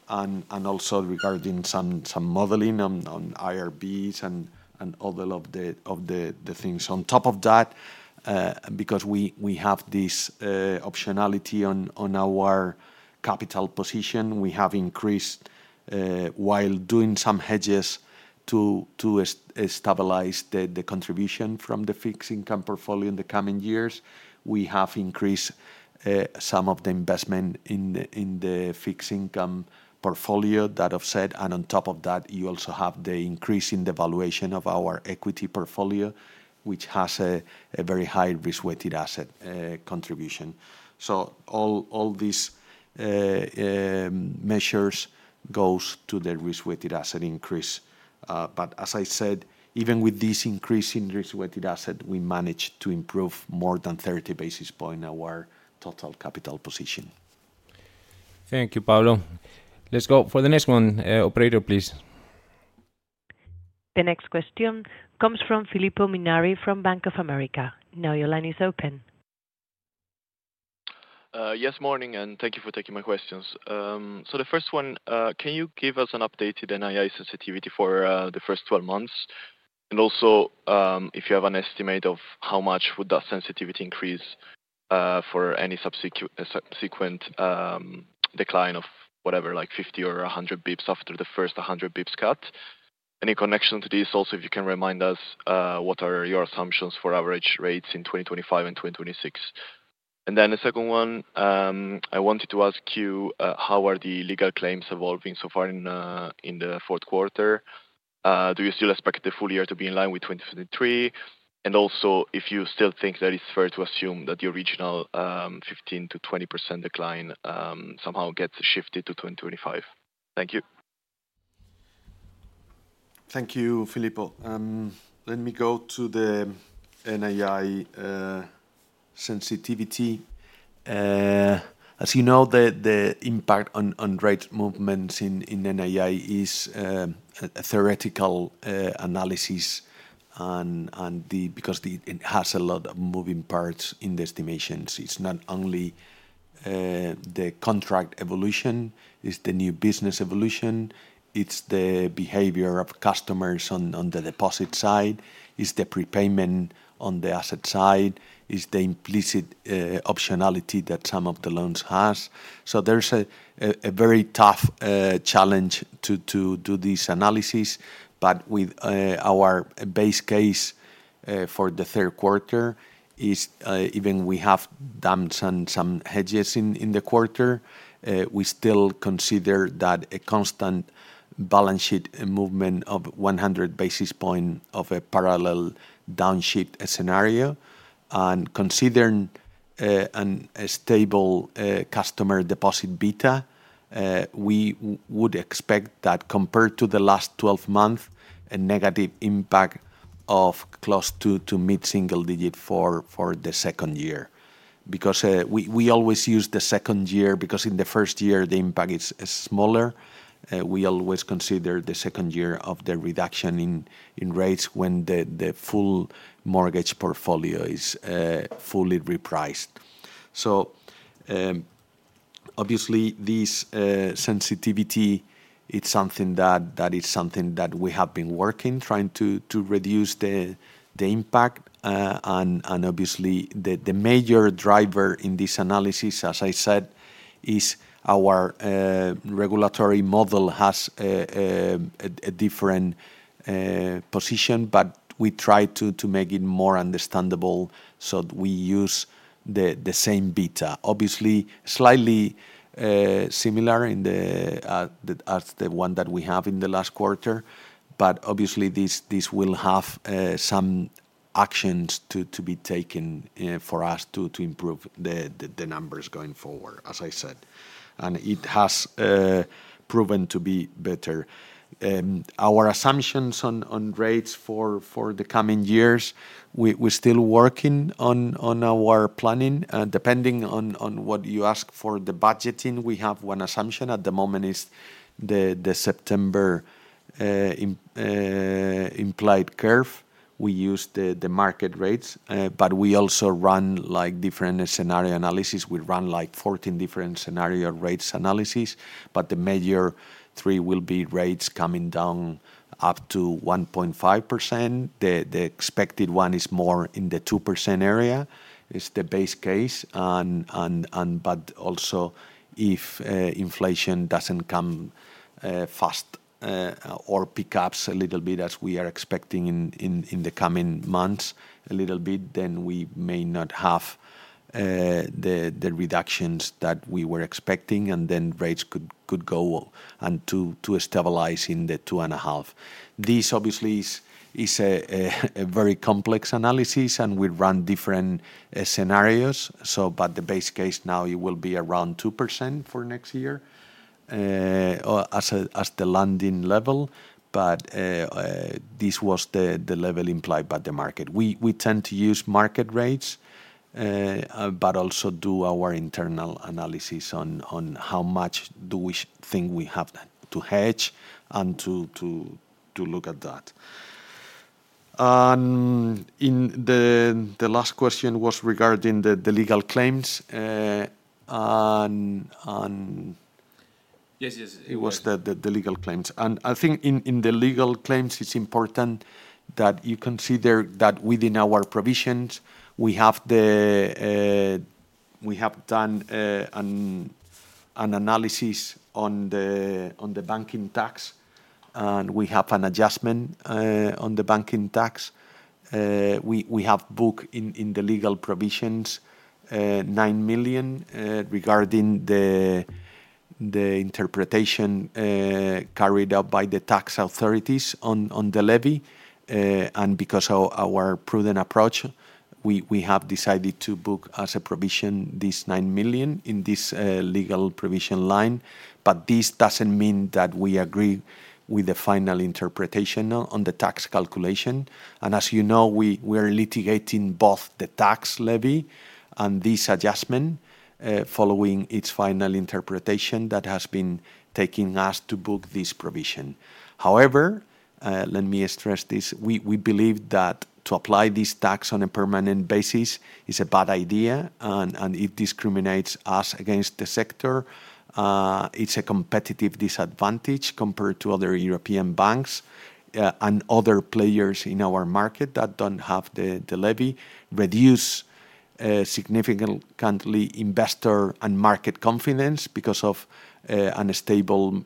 And also regarding some modeling on IRBs and all of the things. On top of that, because we have this optionality on our capital position, we have increased while doing some hedges to stabilize the contribution from the fixed income portfolio in the coming years. We have increased some of the investment in the fixed income portfolio that offset. And on top of that, you also have the increase in the valuation of our equity portfolio, which has a very high risk-weighted asset contribution. So all these measures go to the risk-weighted asset increase. But as I said, even with this increase in risk-weighted asset, we managed to improve more than 30 basis points our total capital position. Thank you, Pablo. Let's go for the next one. Operator, please. The next question comes from Filippo Munari from Bank of America. Now your line is open. Yes, morning, and thank you for taking my questions. So the first one, can you give us an updated NII sensitivity for the first 12 months? And also if you have an estimate of how much would that sensitivity increase for any subsequent decline of whatever, like 50 or 100 basis points after the first 100 basis points cut? Any connection to this? Also, if you can remind us, what are your assumptions for average rates in 2025 and 2026? And then the second one, I wanted to ask you, how are the legal claims evolving so far in the fourth quarter? Do you still expect the full year to be in line with 2023? And also, if you still think that it's fair to assume that the original 15%-20% decline somehow gets shifted to 2025? Thank you. Thank you, Filippo. Let me go to the NII sensitivity. As you know, the impact on rate movements in NII is a theoretical analysis because it has a lot of moving parts in the estimations. It's not only the contract evolution, it's the new business evolution, it's the behavior of customers on the deposit side, it's the prepayment on the asset side, it's the implicit optionality that some of the loans have. So there's a very tough challenge to do this analysis. But with our base case for the third quarter, even we have done some hedges in the quarter, we still consider that a constant balance sheet movement of 100 basis points of a parallel downshift scenario. And considering a stable customer deposit beta, we would expect that compared to the last 12 months, a negative impact of close to mid-single digit for the second year. Because we always use the second year because in the first year, the impact is smaller. We always consider the second year of the reduction in rates when the full mortgage portfolio is fully repriced. So obviously, this sensitivity, it's something that we have been working, trying to reduce the impact. Obviously, the major driver in this analysis, as I said, is our regulatory model has a different position, but we try to make it more understandable so that we use the same beta. Obviously, slightly similar as the one that we have in the last quarter, but obviously, this will have some actions to be taken for us to improve the numbers going forward, as I said. It has proven to be better. Our assumptions on rates for the coming years, we're still working on our planning. Depending on what you ask for the budgeting, we have one assumption. At the moment, it's the September implied curve. We use the market rates, but we also run different scenario analysis. We run like 14 different scenario rates analysis, but the major three will be rates coming down up to 1.5%. The expected one is more in the 2% area. It's the base case, but also if inflation doesn't come fast or pick up a little bit as we are expecting in the coming months a little bit, then we may not have the reductions that we were expecting, and then rates could go and to stabilize in the 2.5. This, obviously, is a very complex analysis, and we run different scenarios, but the base case now, it will be around 2% for next year as the landing level, but this was the level implied by the market. We tend to use market rates, but also do our internal analysis on how much do we think we have to hedge and to look at that, and the last question was regarding the legal claims. Yes, yes. It was the legal claims. I think in the legal claims, it's important that you consider that within our provisions, we have done an analysis on the banking tax, and we have an adjustment on the banking tax. We have booked in the legal provisions 9 million regarding the interpretation carried out by the tax authorities on the levy. Because of our prudent approach, we have decided to book as a provision this 9 million in this legal provision line. This doesn't mean that we agree with the final interpretation on the tax calculation. As you know, we are litigating both the tax levy and this adjustment following its final interpretation that has been taking us to book this provision. However, let me stress this. We believe that to apply this tax on a permanent basis is a bad idea, and it discriminates us against the sector. It's a competitive disadvantage compared to other European banks and other players in our market that don't have the levy. Reduce significantly investor and market confidence because of an unstable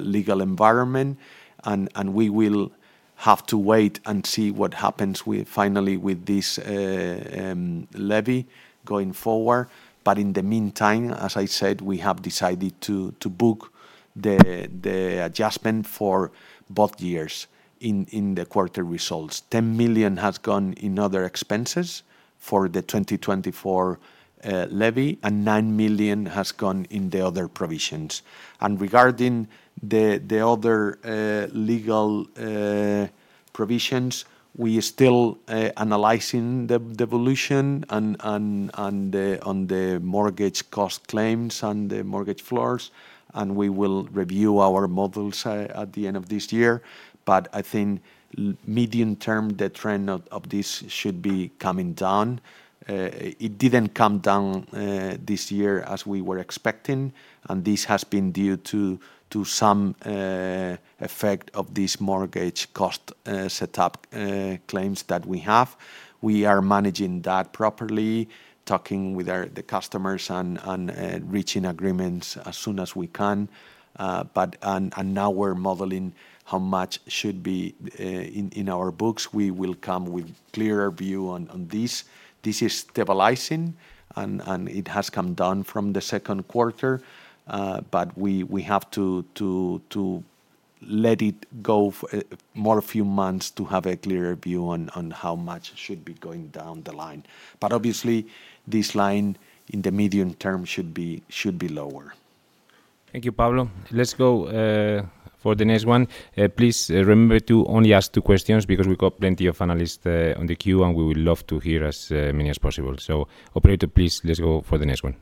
legal environment. And we will have to wait and see what happens finally with this levy going forward. But in the meantime, as I said, we have decided to book the adjustment for both years in the quarter results. 10 million has gone in other expenses for the 2024 levy, and nine million has gone in the other provisions. And regarding the other legal provisions, we are still analyzing the evolution on the mortgage cost claims and the mortgage floors. And we will review our models at the end of this year. But I think medium term, the trend of this should be coming down. It didn't come down this year as we were expecting. And this has been due to some effect of this mortgage cost setup claims that we have. We are managing that properly, talking with the customers and reaching agreements as soon as we can. But now we're modeling how much should be in our books. We will come with a clearer view on this. This is stabilizing, and it has come down from the second quarter. But we have to let it go more a few months to have a clearer view on how much should be going down the line. But obviously, this line in the medium term should be lower. Thank you, Pablo. Let's go for the next one. Please remember to only ask two questions because we've got plenty of analysts on the queue, and we would love to hear as many as possible. So Operator, please, let's go for the next one.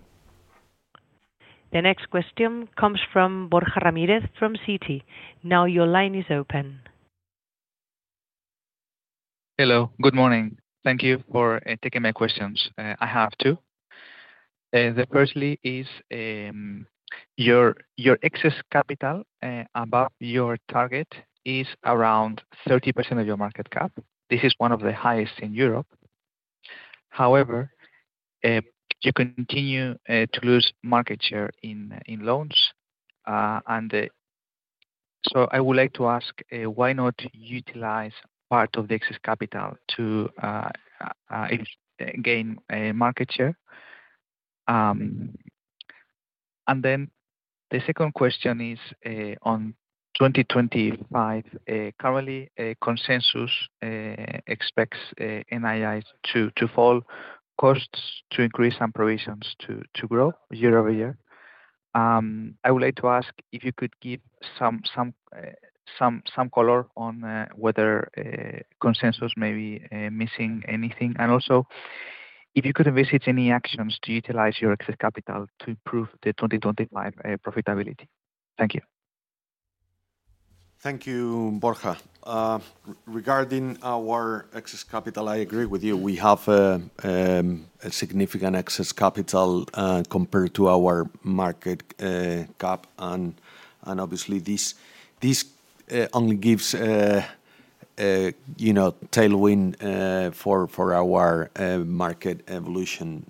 The next question comes from Borja Ramirez from Citi. Now your line is open. Hello. Good morning. Thank you for taking my questions. I have two. The firstly is your excess capital above your target is around 30% of your market cap. This is one of the highest in Europe. However, you continue to lose market share in loans. And so I would like to ask, why not utilize part of the excess capital to gain market share? And then the second question is on 2025. Currently, consensus expects NIIs to fall, costs to increase, and provisions to grow year-over-year. I would like to ask if you could give some color on whether consensus may be missing anything. And also, if you could envisage any actions to utilize your excess capital to improve the 2025 profitability. Thank you. Thank you, Borja. Regarding our excess capital, I agree with you. We have a significant excess capital compared to our market cap, and obviously, this only gives tailwind for our market evolution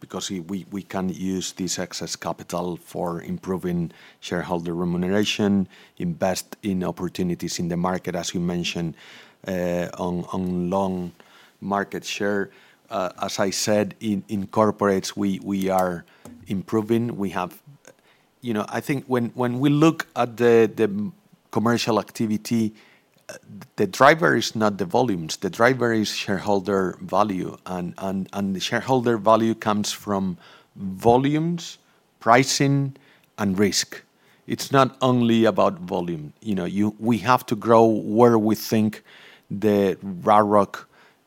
because we can use this excess capital for improving shareholder remuneration, invest in opportunities in the market, as you mentioned, on loan market share. As I said, in corporates, we are improving. I think when we look at the commercial activity, the driver is not the volumes. The driver is shareholder value, and the shareholder value comes from volumes, pricing, and risk. It's not only about volume. We have to grow where we think the ROIC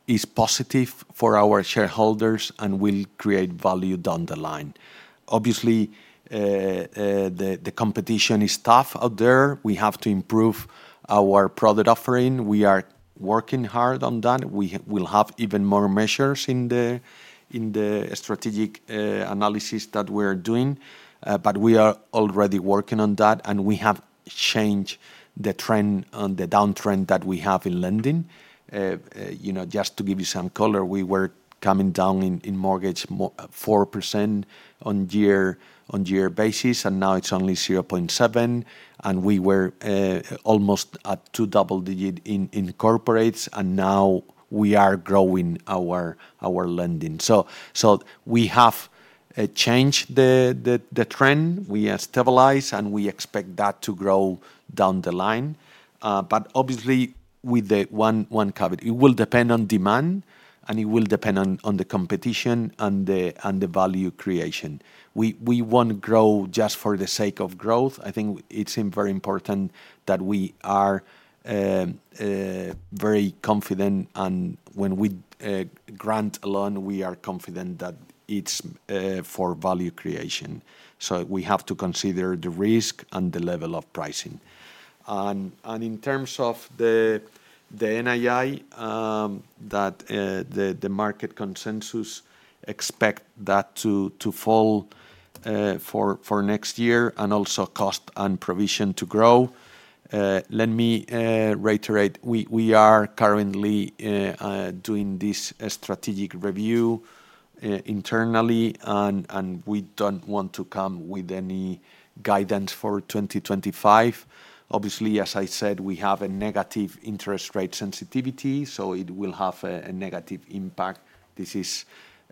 is positive for our shareholders and will create value down the line. Obviously, the competition is tough out there. We are working hard on that. We will have even more measures in the strategic analysis that we're doing, but we are already working on that, and we have changed the downtrend that we have in lending. Just to give you some color, we were coming down in mortgage 4% on year basis, and now it's only 0.7%, and we were almost at two double digits in corporates, and now we are growing our lending, so we have changed the trend. We have stabilized, and we expect that to grow down the line, but obviously, with the one [capital], it will depend on demand, and it will depend on the competition and the value creation. We won't grow just for the sake of growth. I think it seems very important that we are very confident, and when we grant a loan, we are confident that it's for value creation. So we have to consider the risk and the level of pricing. And in terms of the NII, that the market consensus expects that to fall for next year and also cost and provision to grow. Let me reiterate. We are currently doing this strategic review internally, and we don't want to come with any guidance for 2025. Obviously, as I said, we have a negative interest rate sensitivity, so it will have a negative impact. This is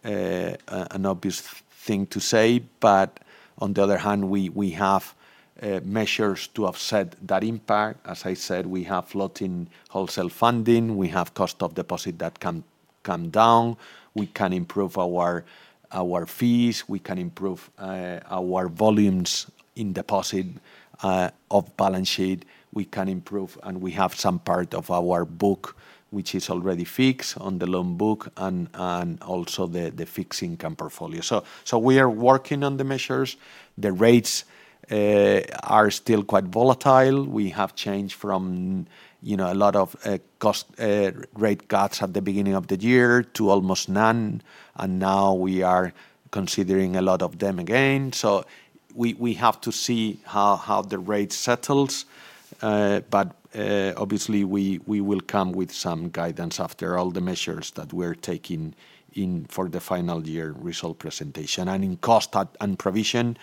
an obvious thing to say. But on the other hand, we have measures to offset that impact. As I said, we have floating wholesale funding. We have cost of deposit that can come down. We can improve our fees. We can improve our volumes in deposits off-balance sheet. We can improve, and we have some part of our book, which is already fixed on the loan book and also the fixed income portfolio. So we are working on the measures. The rates are still quite volatile. We have changed from a lot of cost rate cuts at the beginning of the year to almost none. And now we are considering a lot of them again. So we have to see how the rate settles. But obviously, we will come with some guidance after all the measures that we're taking in for the final year result presentation. And in cost and provision,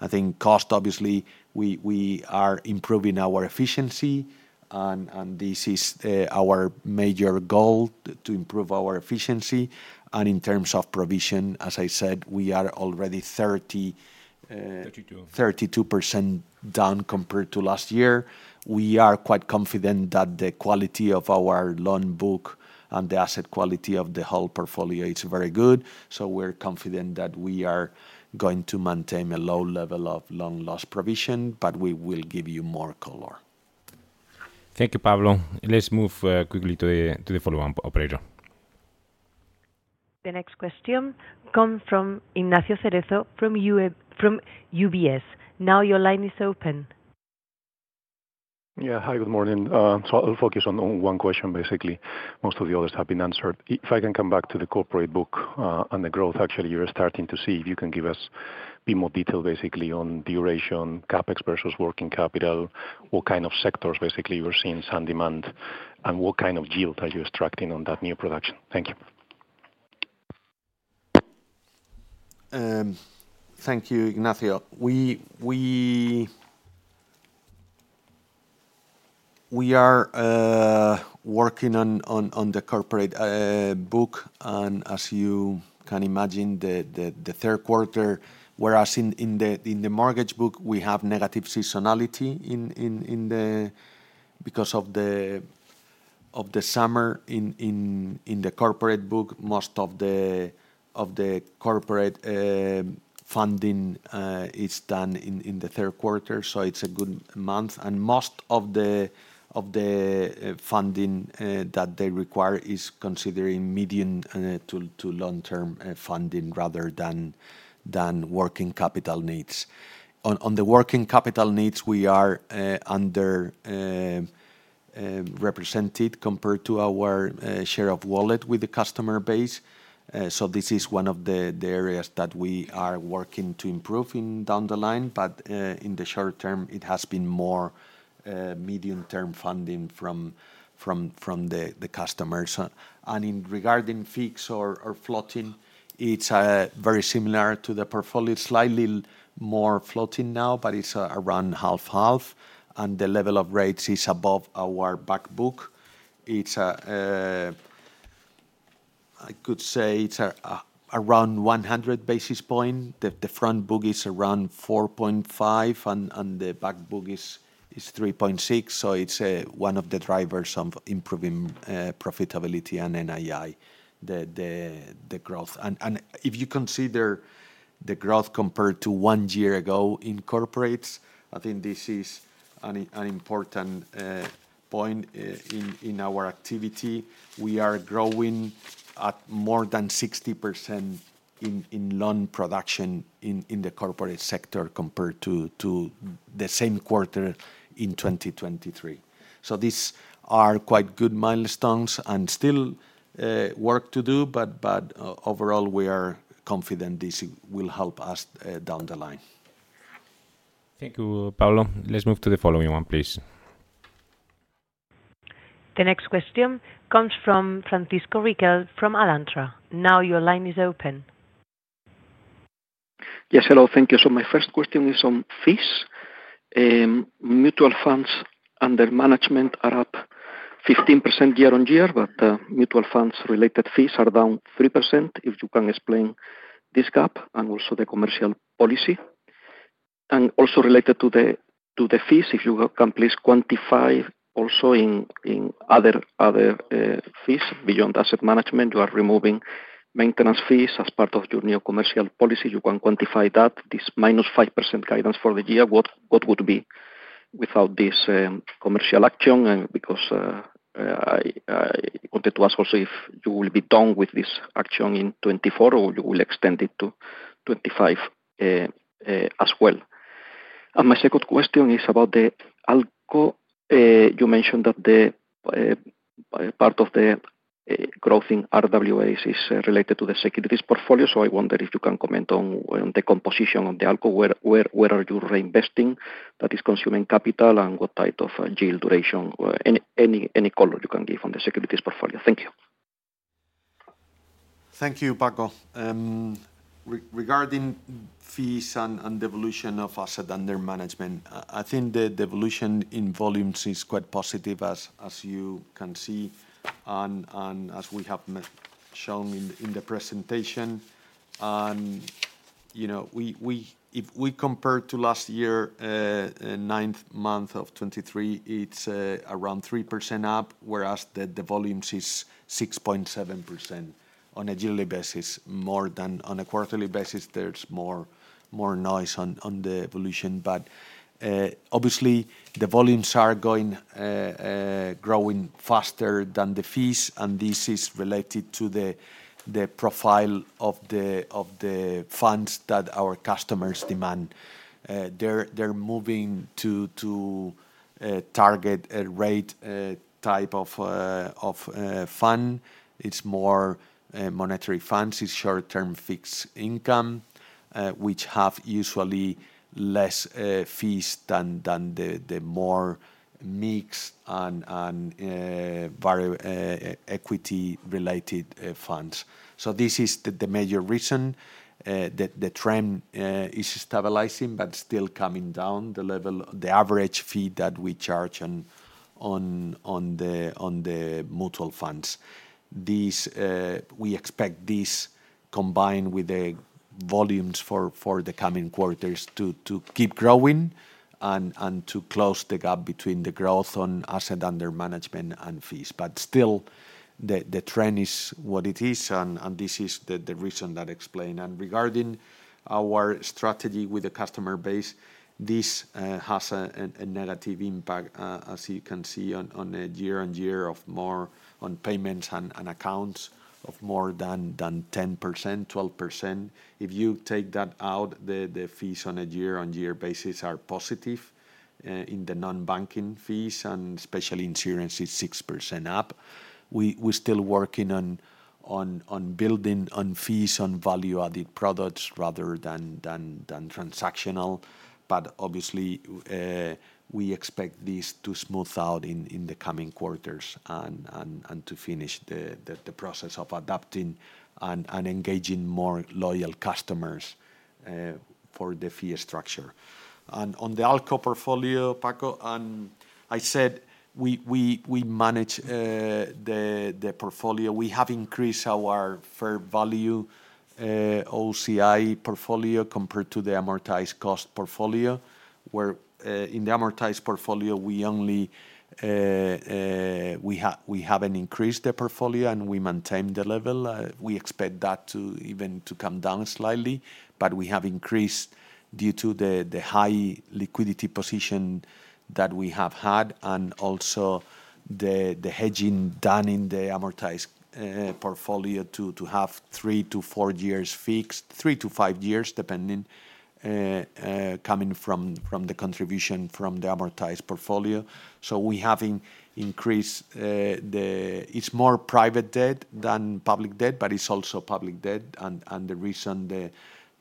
I think cost, obviously, we are improving our efficiency. And this is our major goal, to improve our efficiency. And in terms of provision, as I said, we are already 32% down compared to last year. We are quite confident that the quality of our loan book and the asset quality of the whole portfolio is very good. So we're confident that we are going to maintain a low level of loan loss provision, but we will give you more color. Thank you, Pablo. Let's move quickly to the following operator. The next question comes from Ignacio Cerezo from UBS. Now your line is open. Yeah. Hi, good morning. So I'll focus on one question, basically. Most of the others have been answered. If I can come back to the corporate book and the growth, actually, you're starting to see if you can give us a bit more detail, basically, on duration, CapEx versus working capital, what kind of sectors, basically, you're seeing some demand, and what kind of yield are you extracting on that new production. Thank you. Thank you, Ignacio. We are working on the corporate book, and as you can imagine, the third quarter, whereas in the mortgage book, we have negative seasonality because of the summer. In the corporate book, most of the corporate funding is done in the third quarter, so it's a good month, and most of the funding that they require is considering medium to long-term funding rather than working capital needs. On the working capital needs, we are underrepresented compared to our share of wallet with the customer base, so this is one of the areas that we are working to improve down the line. But in the short term, it has been more medium-term funding from the customers, and regarding fixed or floating, it's very similar to the portfolio. It's slightly more floating now, but it's around half-half, and the level of rates is above our back book. I could say it's around 100 basis points. The front book is around 4.5, and the back book is 3.6, so it's one of the drivers of improving profitability and NII, the growth, and if you consider the growth compared to one year ago in corporates, I think this is an important point in our activity. We are growing at more than 60% in loan production in the corporate sector compared to the same quarter in 2023, so these are quite good milestones and still work to do, but overall, we are confident this will help us down the line. Thank you, Pablo. Let's move to the following one, please. The next question comes from Francisco Riquel from Alantra. Now your line is open. Yes, hello. Thank you, so my first question is on fees. Mutual funds under management are up 15% year on year, but mutual funds-related fees are down 3%. If you can explain this gap and also the commercial policy. And also related to the fees, if you can please quantify also in other fees beyond asset management, you are removing maintenance fees as part of your new commercial policy. You can quantify that. This -5% guidance for the year, what would be without this commercial action? Because I wanted to ask also if you will be done with this action in 2024 or you will extend it to 2025 as well. And my second question is about the ALCO. You mentioned that part of the growth in RWAs is related to the securities portfolio. So I wonder if you can comment on the composition of the ALCO. Where are you reinvesting that is consuming capital and what type of yield duration? Any color you can give on the securities portfolio. Thank you. Thank you, Paco. Regarding fees and evolution of assets under management, I think the evolution in volumes is quite positive, as you can see, and as we have shown in the presentation. And if we compare to last year, ninth month of 2023, it's around 3% up, whereas the volumes is 6.7% on a yearly basis. More than on a quarterly basis, there's more noise on the evolution. But obviously, the volumes are growing faster than the fees, and this is related to the profile of the funds that our customers demand. They're moving to target a rate type of fund. It's more monetary funds. It's short-term fixed income, which have usually less fees than the more mixed and equity-related funds. So this is the major reason. The trend is stabilizing, but still coming down the level, the average fee that we charge on the mutual funds. We expect this combined with the volumes for the coming quarters to keep growing and to close the gap between the growth on asset under management and fees. But still, the trend is what it is, and this is the reason that explains. And regarding our strategy with the customer base, this has a negative impact, as you can see, on a year-on-year of more on payments and accounts of more than 10%, 12%. If you take that out, the fees on a year-on-year basis are positive in the non-banking fees, and especially insurance is 6% up. We're still working on building on fees on value-added products rather than transactional. But obviously, we expect this to smooth out in the coming quarters and to finish the process of adapting and engaging more loyal customers for the fee structure. And on the ALCO portfolio, Paco, I said we manage the portfolio. We have increased our fair value OCI portfolio compared to the amortized cost portfolio, where in the amortized portfolio, we have increased the portfolio and we maintain the level. We expect that to even come down slightly, but we have increased due to the high liquidity position that we have had and also the hedging done in the amortized portfolio to have three to four years fixed, three to five years, depending coming from the contribution from the amortized portfolio. So we have increased the it's more private debt than public debt, but it's also public debt. And the reason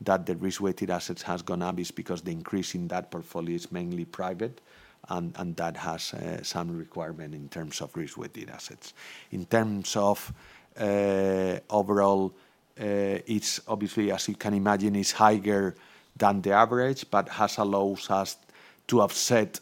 that the risk-weighted assets has gone up is because the increase in that portfolio is mainly private, and that has some requirement in terms of risk-weighted assets. In terms of overall, it's obviously, as you can imagine, it's higher than the average, but has allowed us to offset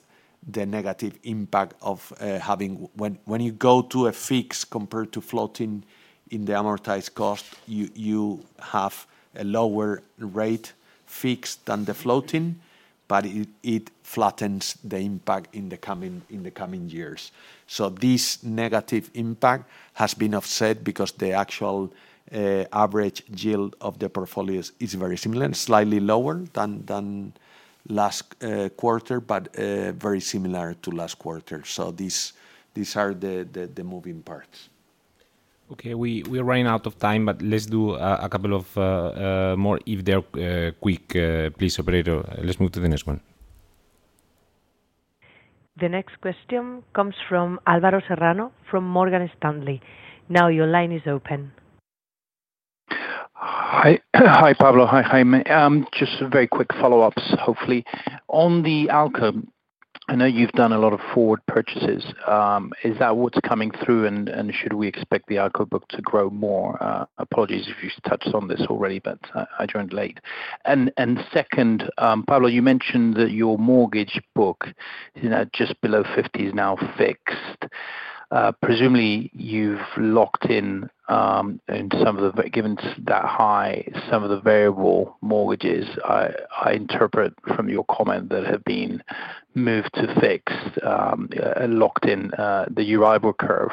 the negative impact of having when you go to a fix compared to floating in the amortized cost, you have a lower rate fixed than the floating, but it flattens the impact in the coming years. So this negative impact has been offset because the actual average yield of the portfolio is very similar, slightly lower than last quarter, but very similar to last quarter. So these are the moving parts. Okay. We are running out of time, but let's do a couple of more if they're quick. Please, operator, let's move to the next one. The next question comes from Alvaro Serrano from Morgan Stanley. Now your line is open. Hi, Pablo. Hi, Jaime. Just very quick follow-ups, hopefully. On the ALCO, I know you've done a lot of forward purchases. Is that what's coming through, and should we expect the ALCO book to grow more? Apologies if you touched on this already, but I joined late. And second, Pablo, you mentioned that your mortgage book is now just below 50%, is now fixed. Presumably, you've locked in some of the given that high, some of the variable mortgages. I interpret from your comment that have been moved to fixed, locked in the yield curve.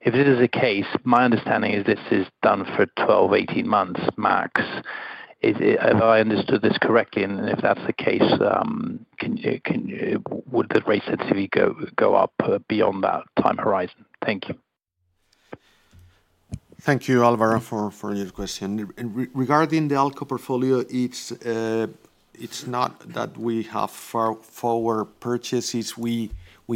If it is the case, my understanding is this is done for 12, 18 months max. If I understood this correctly, and if that's the case, would the rate sensitivity go up beyond that time horizon? Thank you. Thank you, Alvaro, for your question. Regarding the ALCO portfolio, it's not that we have far forward purchases. We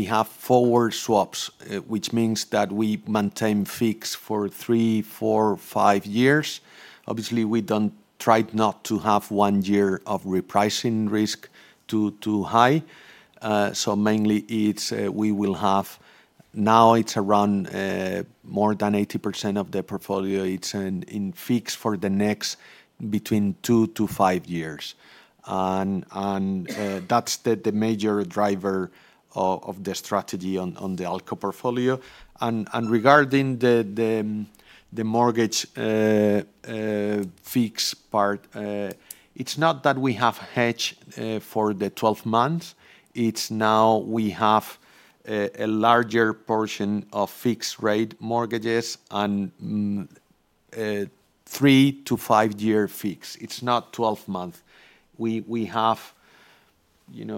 have forward swaps, which means that we maintain fixed for three, four, five years. Obviously, we tried not to have one year of repricing risk too high, so mainly we will have now it's around more than 80% of the portfolio. It's in fixed for the next between two to five years, and that's the major driver of the strategy on the ALCO portfolio, and regarding the mortgage fixed part, it's not that we have hedged for the 12 months. It's now we have a larger portion of fixed-rate mortgages and three to five-year fixed. It's not 12 months. We have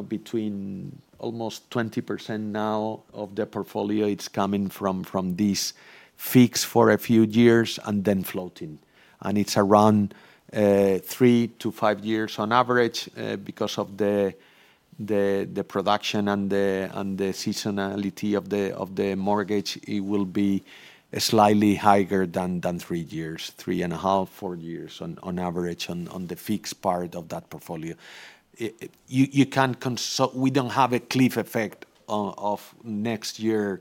between almost 20% now of the portfolio. It's coming from this fixed for a few years and then floating, and it's around three to five years on average. Because of the production and the seasonality of the mortgage, it will be slightly higher than three years, three and a half, four years on average on the fixed part of that portfolio. We don't have a cliff effect of next year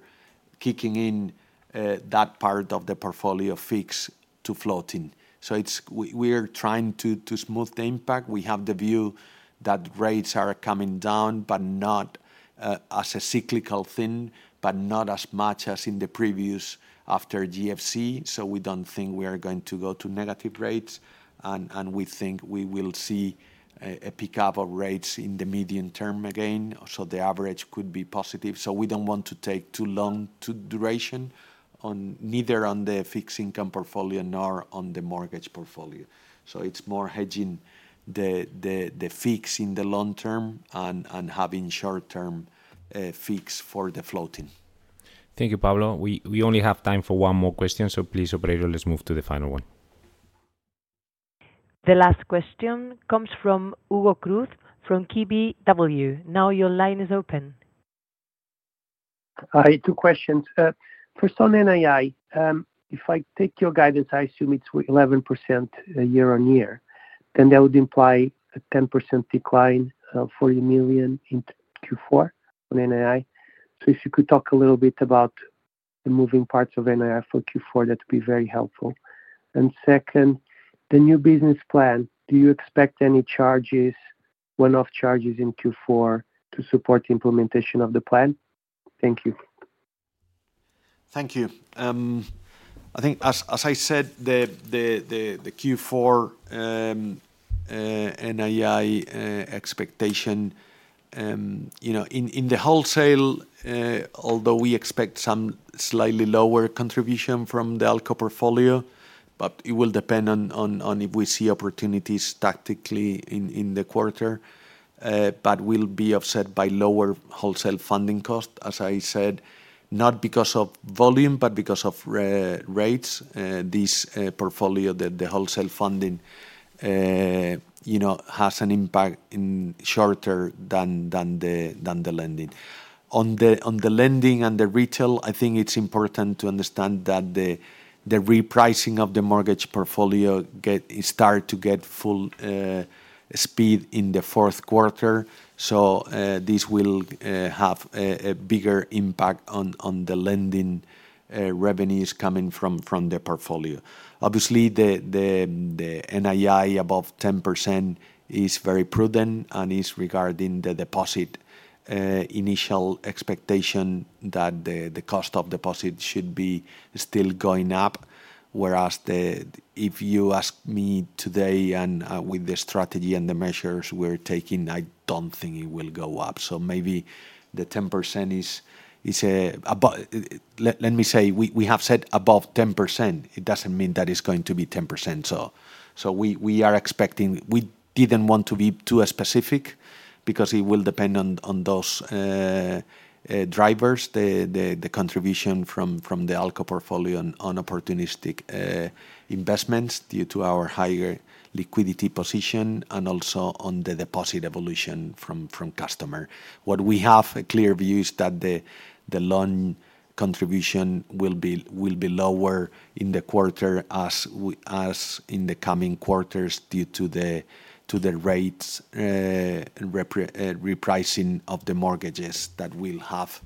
kicking in that part of the portfolio fixed to floating. So we are trying to smooth the impact. We have the view that rates are coming down, but not as a cyclical thing, but not as much as in the previous after GFC. So we don't think we are going to go to negative rates. And we think we will see a pickup of rates in the medium term again. So the average could be positive. So we don't want to take too long duration neither on the fixed income portfolio nor on the mortgage portfolio. So it's more hedging the fixed in the long term and having short-term fixed for the floating. Thank you, Pablo. We only have time for one more question. Please, operator, let's move to the final one. The last question comes from Hugo Cruz from KBW. Now your line is open. Hi, two questions. First on NII, if I take your guidance, I assume it's 11% year on year. Then that would imply a 10% decline, 40 million in Q4 on NII. So if you could talk a little bit about the moving parts of NII for Q4, that would be very helpful. And second, the new business plan, do you expect any charges, one-off charges in Q4 to support implementation of the plan? Thank you. Thank you. I think, as I said, the Q4 NII expectation in the wholesale, although we expect some slightly lower contribution from the ALCO portfolio, but it will depend on if we see opportunities tactically in the quarter. But we'll be offset by lower wholesale funding cost, as I said, not because of volume, but because of rates. This portfolio, the wholesale funding has an impact in shorter than the lending. On the lending and the retail, I think it's important to understand that the repricing of the mortgage portfolio started to get full speed in the fourth quarter. So this will have a bigger impact on the lending revenues coming from the portfolio. Obviously, the NII above 10% is very prudent and is regarding the deposit initial expectation that the cost of deposit should be still going up. Whereas if you ask me today and with the strategy and the measures we're taking, I don't think it will go up. So maybe the 10% is let me say, we have said above 10%. It doesn't mean that it's going to be 10%. So we are expecting. We didn't want to be too specific because it will depend on those drivers, the contribution from the ALCO portfolio on opportunistic investments due to our higher liquidity position and also on the deposit evolution from customer. What we have, a clear view is that the loan contribution will be lower in the quarter as in the coming quarters due to the rates repricing of the mortgages that will have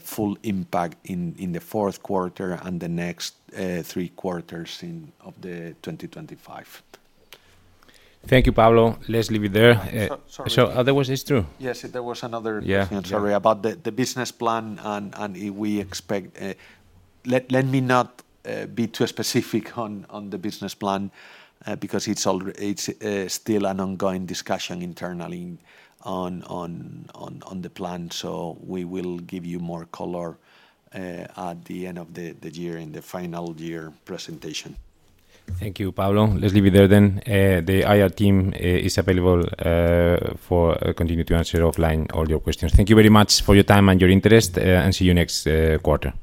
full impact in the fourth quarter and the next three quarters of the 2025. Thank you, Pablo. Let's leave it there. Sorry. So that was it, true? Yes, there was another question. Sorry about the business plan and what we expect. Let me not be too specific on the business plan because it's still an ongoing discussion internally on the plan. So we will give you more color at the end of the year in the final year presentation. Thank you, Pablo. Let's leave it there then. The IR team is available for continuing to answer offline all your questions. Thank you very much for your time and your interest, and see you next quarter.